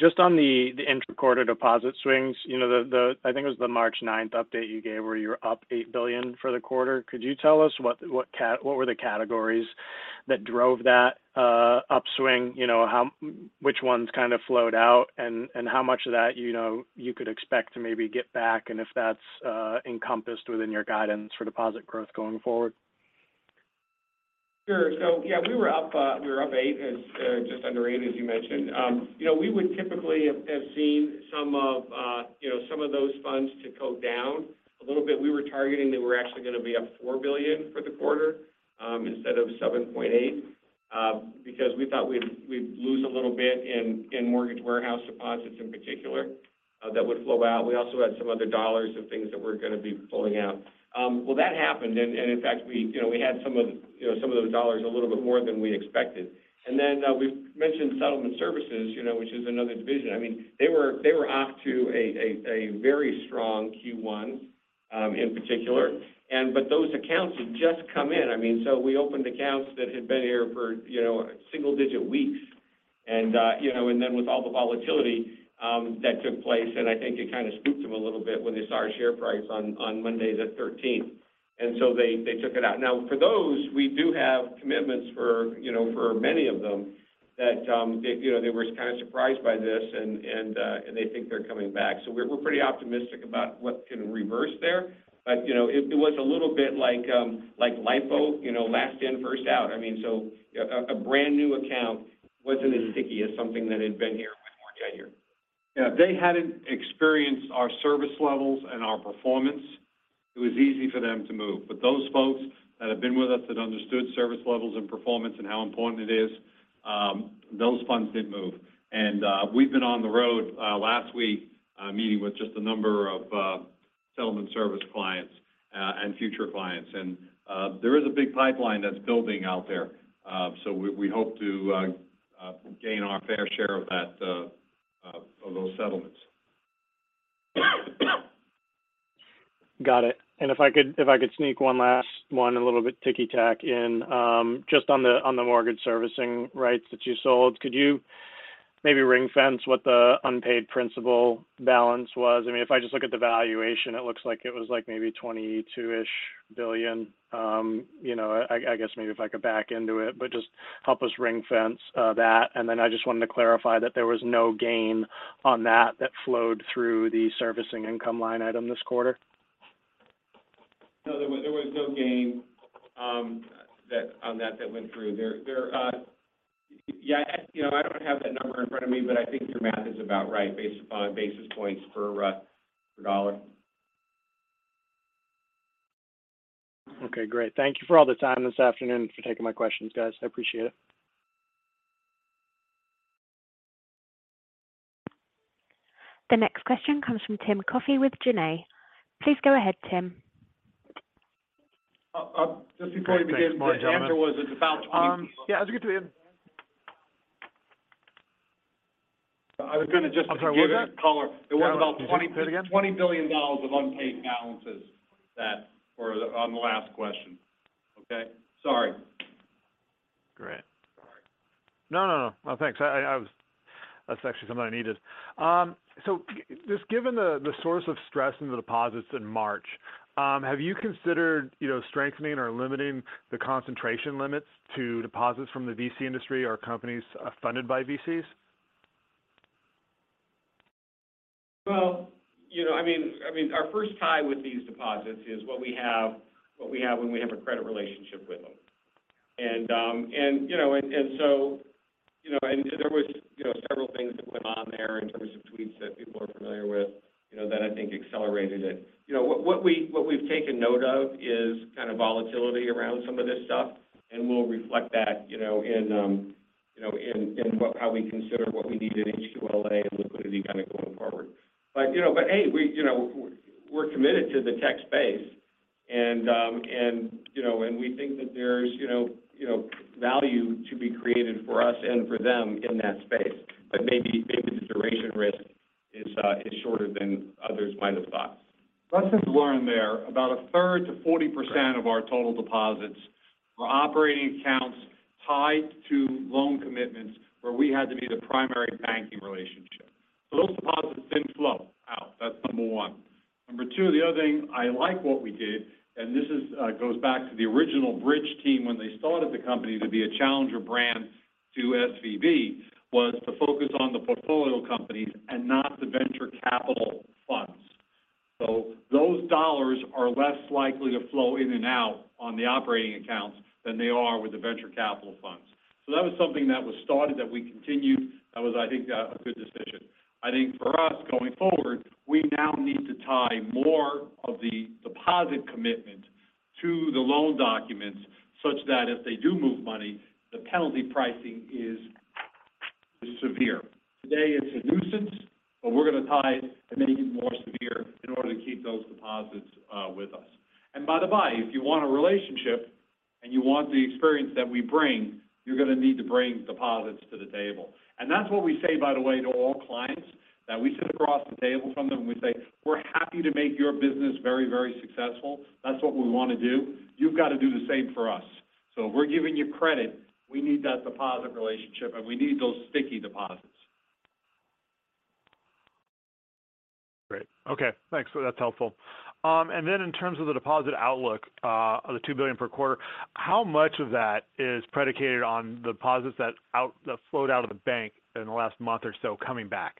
Just on the inter-quarter deposit swings. You know, the I think it was the March ninth update you gave where you were up $8 billion for the quarter. Could you tell us what were the categories that drove that upswing? You know, which ones kind of flowed out and how much of that, you know, you could expect to maybe get back and if that's encompassed within your guidance for deposit growth going forward? Sure. Yeah, we were up $8 billion as just under $8 billion, as you mentioned. You know, we would typically have seen some of, you know, some of those funds to go down a little bit. We were targeting that we're actually going to be up $4 billion for the quarter, instead of $7.8 billion, because we thought we'd lose a little bit in mortgage warehouse deposits in particular, that would flow out. We also had some other dollars of things that were going to be flowing out. Well, that happened and in fact, we, you know, we had some of, you know, some of those dollars a little bit more than we expected. Then, we've mentioned settlement services, you know, which is another division. I mean, they were off to a very strong Q1 in particular. Those accounts had just come in. I mean, we opened accounts that had been here for, you know, single digit weeks. You know, with all the volatility that took place, and I think it kind of spooked them a little bit when they saw our share price on Monday the 13th. They took it out. Now for those, we do have commitments for, you know, for many of them that, they, you know, they were kind of surprised by this and they think they're coming back. We're pretty optimistic about what can reverse there. You know, it was a little bit like LIFO, you know, last in, first out. I mean, a brand new account wasn't as sticky as something that had been here way more than a year. If they hadn't experienced our service levels and our performance, it was easy for them to move. Those folks that have been with us that understood service levels and performance and how important it is, those funds didn't move. We've been on the road last week meeting with just a number of settlement service clients and future clients. There is a big pipeline that's building out there. We hope to gain our fair share of that, of those settlements. Got it. If I could sneak one last one a little bit ticky-tack in, just on the mortgage servicing rights that you sold. Could you maybe ring-fence what the unpaid principal balance was? I mean, if I just look at the valuation, it looks like it was like maybe $22-ish billion. You know, I guess maybe if I could back into it, but just help us ring-fence that. Then I just wanted to clarify that there was no gain on that flowed through the servicing income line item this quarter. No, there was no gain on that went through. There, Yeah, you know, I don't have that number in front of me, but I think your math is about right based upon basis points per dollar. Okay, great. Thank you for all the time this afternoon for taking my questions, guys. I appreciate it. The next question comes from Tim Coffey with Janney. Please go ahead, Tim. Just before you begin. Great. Thanks. Morning, gentlemen. The answer was it's about $20 billion. Yeah, it was good to hear. I was gonna just. I'm sorry. What was that? Give you color. Yeah. Say that again. It was about $20 billion of unpaid balances that were on the last question. Okay? Sorry. Great. Sorry. No, no. No, thanks. That's actually something I needed. Just given the source of stress in the deposits in March, have you considered, you know, strengthening or limiting the concentration limits to deposits from the VC industry or companies, funded by VCs? Well, you know, I mean, our first tie with these deposits is what we have, when we have a credit relationship with them. You know, and so, you know, and there was, you know, several things that went on there in terms of tweets that people are familiar with, you know, that I think accelerated it. You know, what we've taken note of is kind of volatility around some of this stuff, and we'll reflect that, you know, in, you know, in how we consider what we need in HQLA and liquidity kind of going forward. You know, but hey, we, you know, we're committed to the tech space and, you know, and we think that there's, you know, value to be created for us and for them in that space. Maybe the duration risk is shorter than others might have thought. Lessons learned there, about a third to 40% of our total deposits were operating accounts tied to loan commitments where we had to be the primary banking relationship. Those deposits didn't flow out. That's number one. Number two, the other thing, I like what we did, and this is, goes back to the original Bridge team when they started the company to be a challenger brand to SVB, was to focus on the portfolio companies and not the venture capital funds. Those dollars are less likely to flow in and out on the operating accounts than they are with the venture capital funds. That was something that was started that we continued. That was, I think, a good decision. I think for us going forward, we now need to tie more of the deposit commitment to the loan documents such that if they do move money, the penalty pricing is severe. Today it's a nuisance, but we're gonna tie it to making it more severe in order to keep those deposits with us. By the by, if you want a relationship and you want the experience that we bring, you're gonna need to bring deposits to the table. That's what we say, by the way, to all clients that we sit across the table from them, we say, "We're happy to make your business very, very successful. That's what we wanna do. You've got to do the same for us." If we're giving you credit, we need that deposit relationship, and we need those sticky deposits. Great. Okay. Thanks. That's helpful. In terms of the deposit outlook, of the $2 billion per quarter, how much of that is predicated on deposits that flowed out of the bank in the last month or so coming back?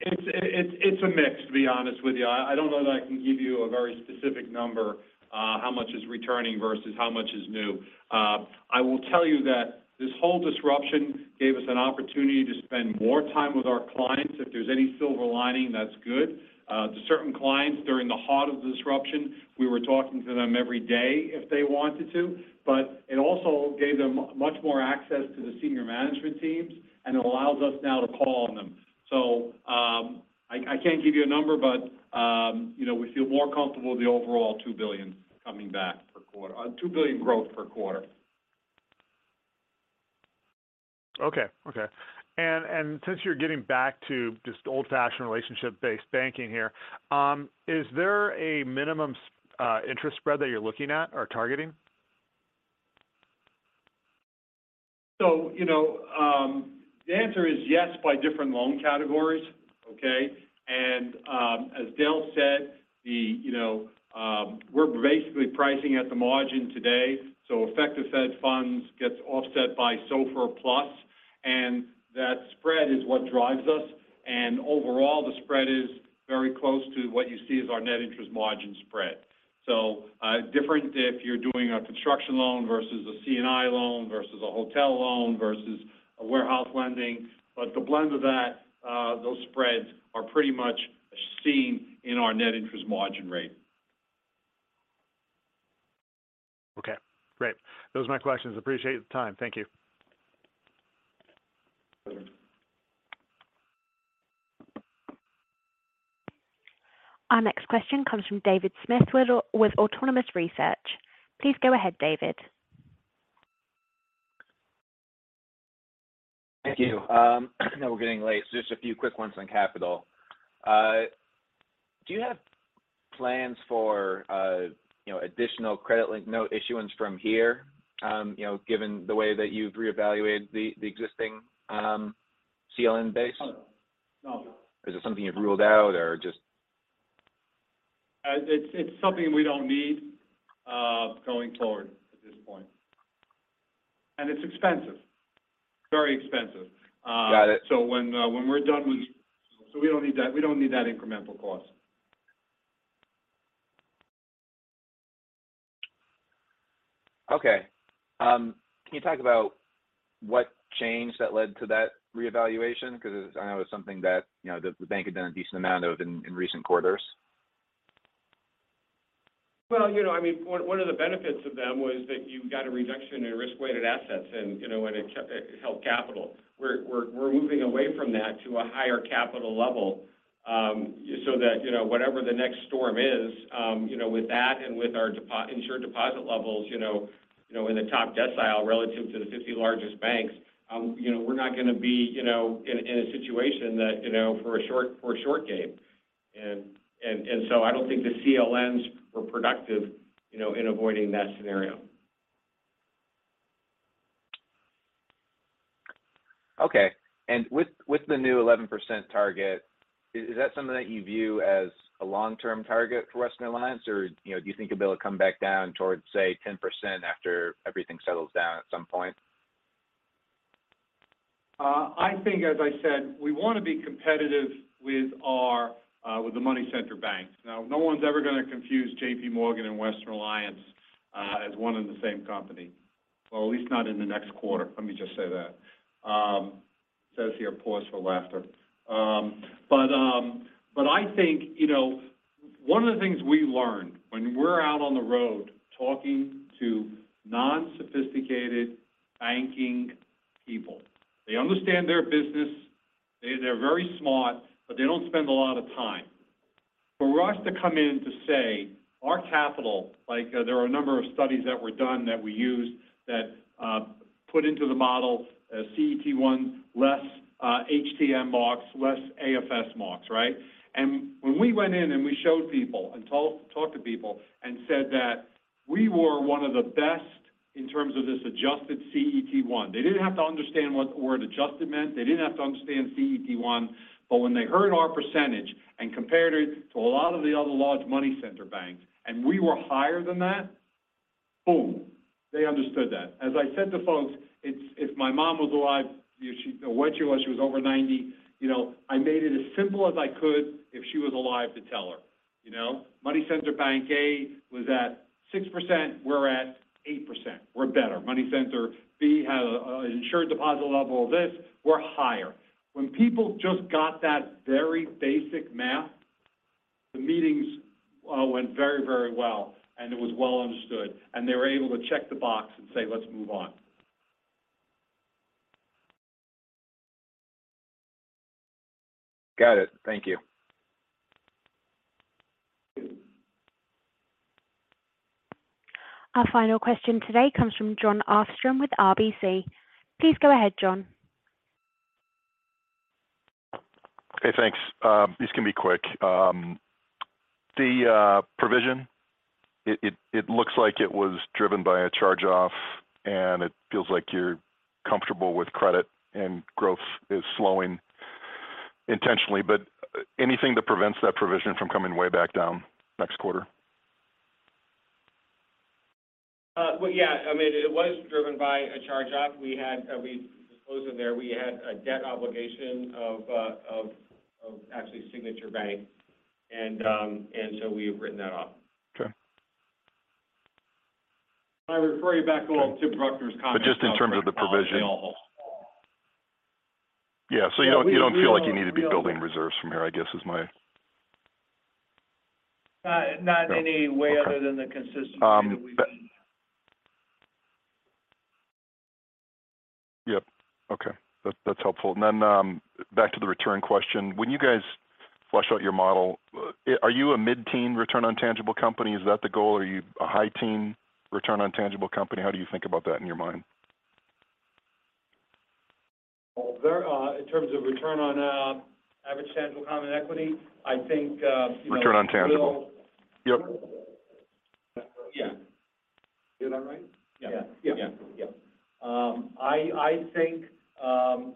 It's a mix, to be honest with you. I don't know that I can give you a very specific number, how much is returning versus how much is new. I will tell you that this whole disruption gave us an opportunity to spend more time with our clients. If there's any silver lining, that's good. To certain clients during the heart of the disruption, we were talking to them every day if they wanted to. It also gave them much more access to the senior management teams, and it allows us now to call on them. I can't give you a number, but, you know, we feel more comfortable with the overall $2 billion coming back per quarter, $2 billion growth per quarter. Okay. Okay. Since you're getting back to just old-fashioned relationship-based banking here, is there a minimum interest spread that you're looking at or targeting? You know, the answer is yes by different loan categories, okay? As Dale said, you know, we're basically pricing at the margin today. Effective Fed funds gets offset by SOFR plus, and that spread is what drives us. Overall, the spread is very close to what you see as our net interest margin spread. Different if you're doing a construction loan versus a C&I loan versus a hotel loan versus a warehouse lending. The blend of that, those spreads are pretty much seen in our net interest margin rate. Okay. Great. Those are my questions. Appreciate the time. Thank you. Our next question comes from David Smith with Autonomous Research. Please go ahead, David. Thank you. I know we're getting late, so just a few quick ones on capital. Do you have plans for, you know, additional credit link note issuance from here, you know, given the way that you've reevaluated the existing, CLN base? No. No. Is it something you've ruled out or just. It's something we don't need, going forward at this point. It's expensive. Very expensive. Got it. We don't need that, we don't need that incremental cost. Okay. Can you talk about what changed that led to that reevaluation? 'Cause I know it's something that, you know, the bank had done a decent amount of in recent quarters. Well, you know, I mean, one of the benefits of them was that you got a reduction in risk-weighted assets and, you know, it held capital. We're moving away from that to a higher capital level, so that, you know, whatever the next storm is, you know, with that and with our insured deposit levels, you know, in the top decile relative to the 50 largest banks, you know, we're not gonna be, you know, in a situation that, you know, for a short game. I don't think the CLNs were productive, you know, in avoiding that scenario. Okay. With the new 11% target, is that something that you view as a long-term target for Western Alliance, or, you know, do you think it'll be able to come back down towards, say, 10% after everything settles down at some point? I think, as I said, we wanna be competitive with our with the money center banks. No one's ever gonna confuse JPMorgan and Western Alliance as one and the same company. At least not in the next quarter, let me just say that. It says here, "Pause for laughter." I think, you know, one of the things we learned when we're out on the road talking to non-sophisticated banking people, they understand their business, they're very smart, but they don't spend a lot of time. For us to come in to say our capital, like there are a number of studies that were done that we used that put into the model, CET1 less HTM marks, less AFS marks, right? When we went in and we showed people and talked to people and said that we were one of the best in terms of this adjusted CET1, they didn't have to understand what the word adjusted meant. They didn't have to understand CET1. When they heard our percentage and compared it to a lot of the other large money center banks, and we were higher than that, boom, they understood that. As I said to folks, if my mom was alive, you know, which she was, she was over 90, you know, I made it as simple as I could if she was alive to tell her. You know, money center bank A was at 6%, we're at 8%. We're better. Money center B had an insured deposit level of this, we're higher. When people just got that very basic math. The meetings went very, very well, and it was well understood, and they were able to check the box and say, "Let's move on. Got it. Thank you. Our final question today comes from Jon Arfstrom with RBC. Please go ahead, John. Okay, thanks. This is gonna be quick. The provision, it looks like it was driven by a charge-off, and it feels like you're comfortable with credit and growth is slowing intentionally, but anything that prevents that provision from coming way back down next quarter? Well, yeah. I mean, it was driven by a charge-off. We disclosed in there. We had a debt obligation of actually Signature Bank. We've written that off. Okay. I refer you back a little to Bruckner's comment. Just in terms of the provision. Yeah. You don't feel like you need to be building reserves from here, I guess is my... Not in any way other than the consistency that we've been. Yep. Okay. That's helpful. Back to the return question. When you guys flush out your model, are you a mid-teen return on tangible company? Is that the goal? Are you a high teen return on tangible company? How do you think about that in your mind? There, in terms of return on average tangible common equity, I think, you know. Return on tangible. Yep. Yeah. Is that right? Yeah. Yeah. Yeah. Yeah. I think,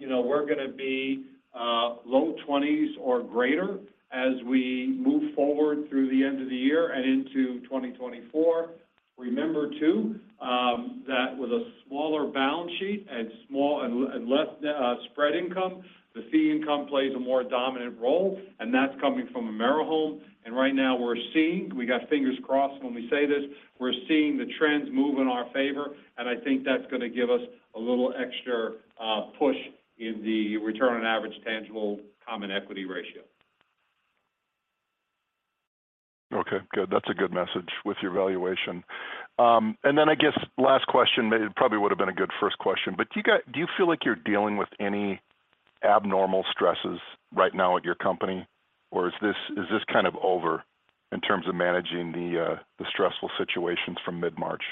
you know, we're gonna be low 20s or greater as we move forward through the end of the year and into 2024. Remember too, that with a smaller balance sheet and small and less spread income, the fee income plays a more dominant role, and that's coming from AmeriHome. Right now we're seeing, we got fingers crossed when we say this, we're seeing the trends move in our favor, and I think that's gonna give us a little extra push in the return on average tangible common equity ratio. Okay, good. That's a good message with your valuation. I guess last question, maybe it probably would've been a good first question. Do you feel like you're dealing with any abnormal stresses right now at your company, or is this kind of over in terms of managing the stressful situations from mid-March?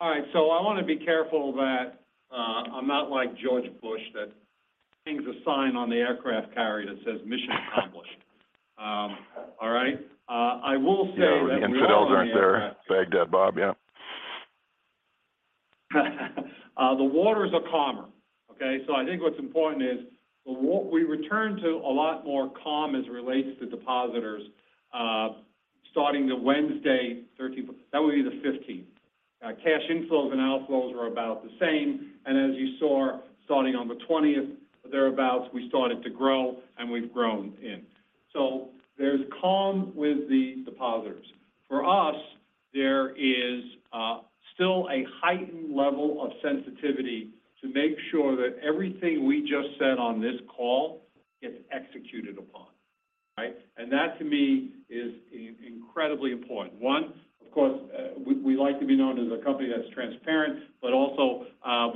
All right. I want to be careful that, I'm not like George Bush that hangs a sign on the aircraft carrier that says, "Mission accomplished." All right. I will say that we are on the aircraft The infidels aren't there. Baghdad Bob. Yeah. The waters are calmer. Okay? I think what's important is what we return to a lot more calm as it relates to depositors, starting the Wednesday, that would be the 15th. Cash inflows and outflows are about the same. As you saw, starting on the 20th or thereabout, we started to grow, and we've grown in. There's calm with the depositors. For us, there is still a heightened level of sensitivity to make sure that everything we just said on this call is executed upon. Right? That to me is incredibly important. One, of course, we like to be known as a company that's transparent, but also,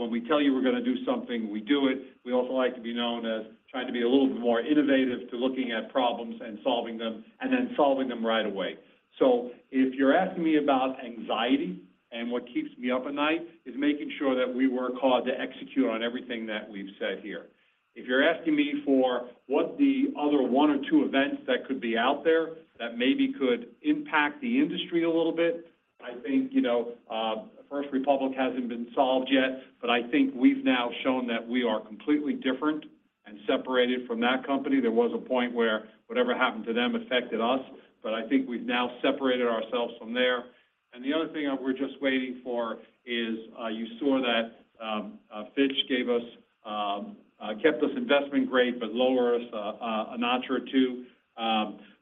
when we tell you we're gonna do something, we do it. We also like to be known as trying to be a little bit more innovative to looking at problems and solving them and then solving them right away. If you're asking me about anxiety and what keeps me up at night is making sure that we work hard to execute on everything that we've said here. If you're asking me for what the other one or two events that could be out there that maybe could impact the industry a little bit, I think, you know, First Republic hasn't been solved yet. I think we've now shown that we are completely different and separated from that company. There was a point where whatever happened to them affected us, but I think we've now separated ourselves from there. The other thing we're just waiting for is, you saw that Fitch gave us, kept us investment grade, but lower us a notch or two.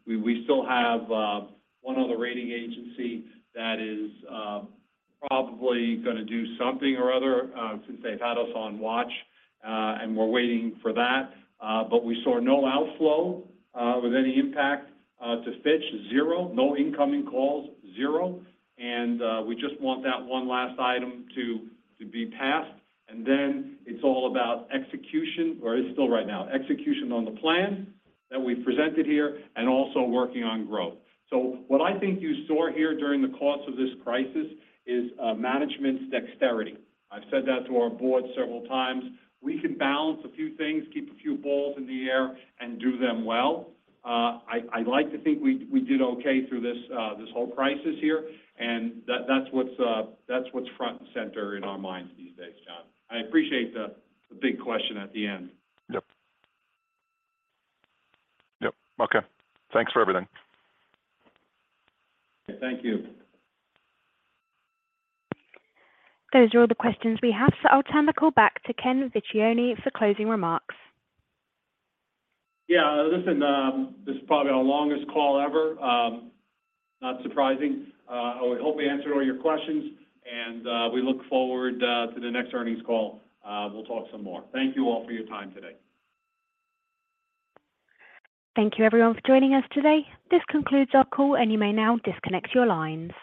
We still have one other rating agency that is probably gonna do something or other, since they've had us on watch, and we're waiting for that. We saw no outflow with any impact to Fitch, zero. No incoming calls, zero. We just want that one last item to be passed. Then it's all about execution or is still right now, execution on the plan that we've presented here and also working on growth. What I think you saw here during the course of this crisis is management's dexterity. I've said that to our board several times. We can balance a few things, keep a few balls in the air and do them well. I like to think we did okay through this whole crisis here. That, that's what's, that's what's front and center in our minds these days, Jon. I appreciate the big question at the end. Yep. Yep. Okay. Thanks for everything. Thank you. Those are all the questions we have, so I'll turn the call back to Ken Vecchione for closing remarks. Listen, this is probably our longest call ever. Not surprising. We hope we answered all your questions, we look forward to the next earnings call. We'll talk some more. Thank you all for your time today. Thank you everyone for joining us today. This concludes our call, and you may now disconnect your lines.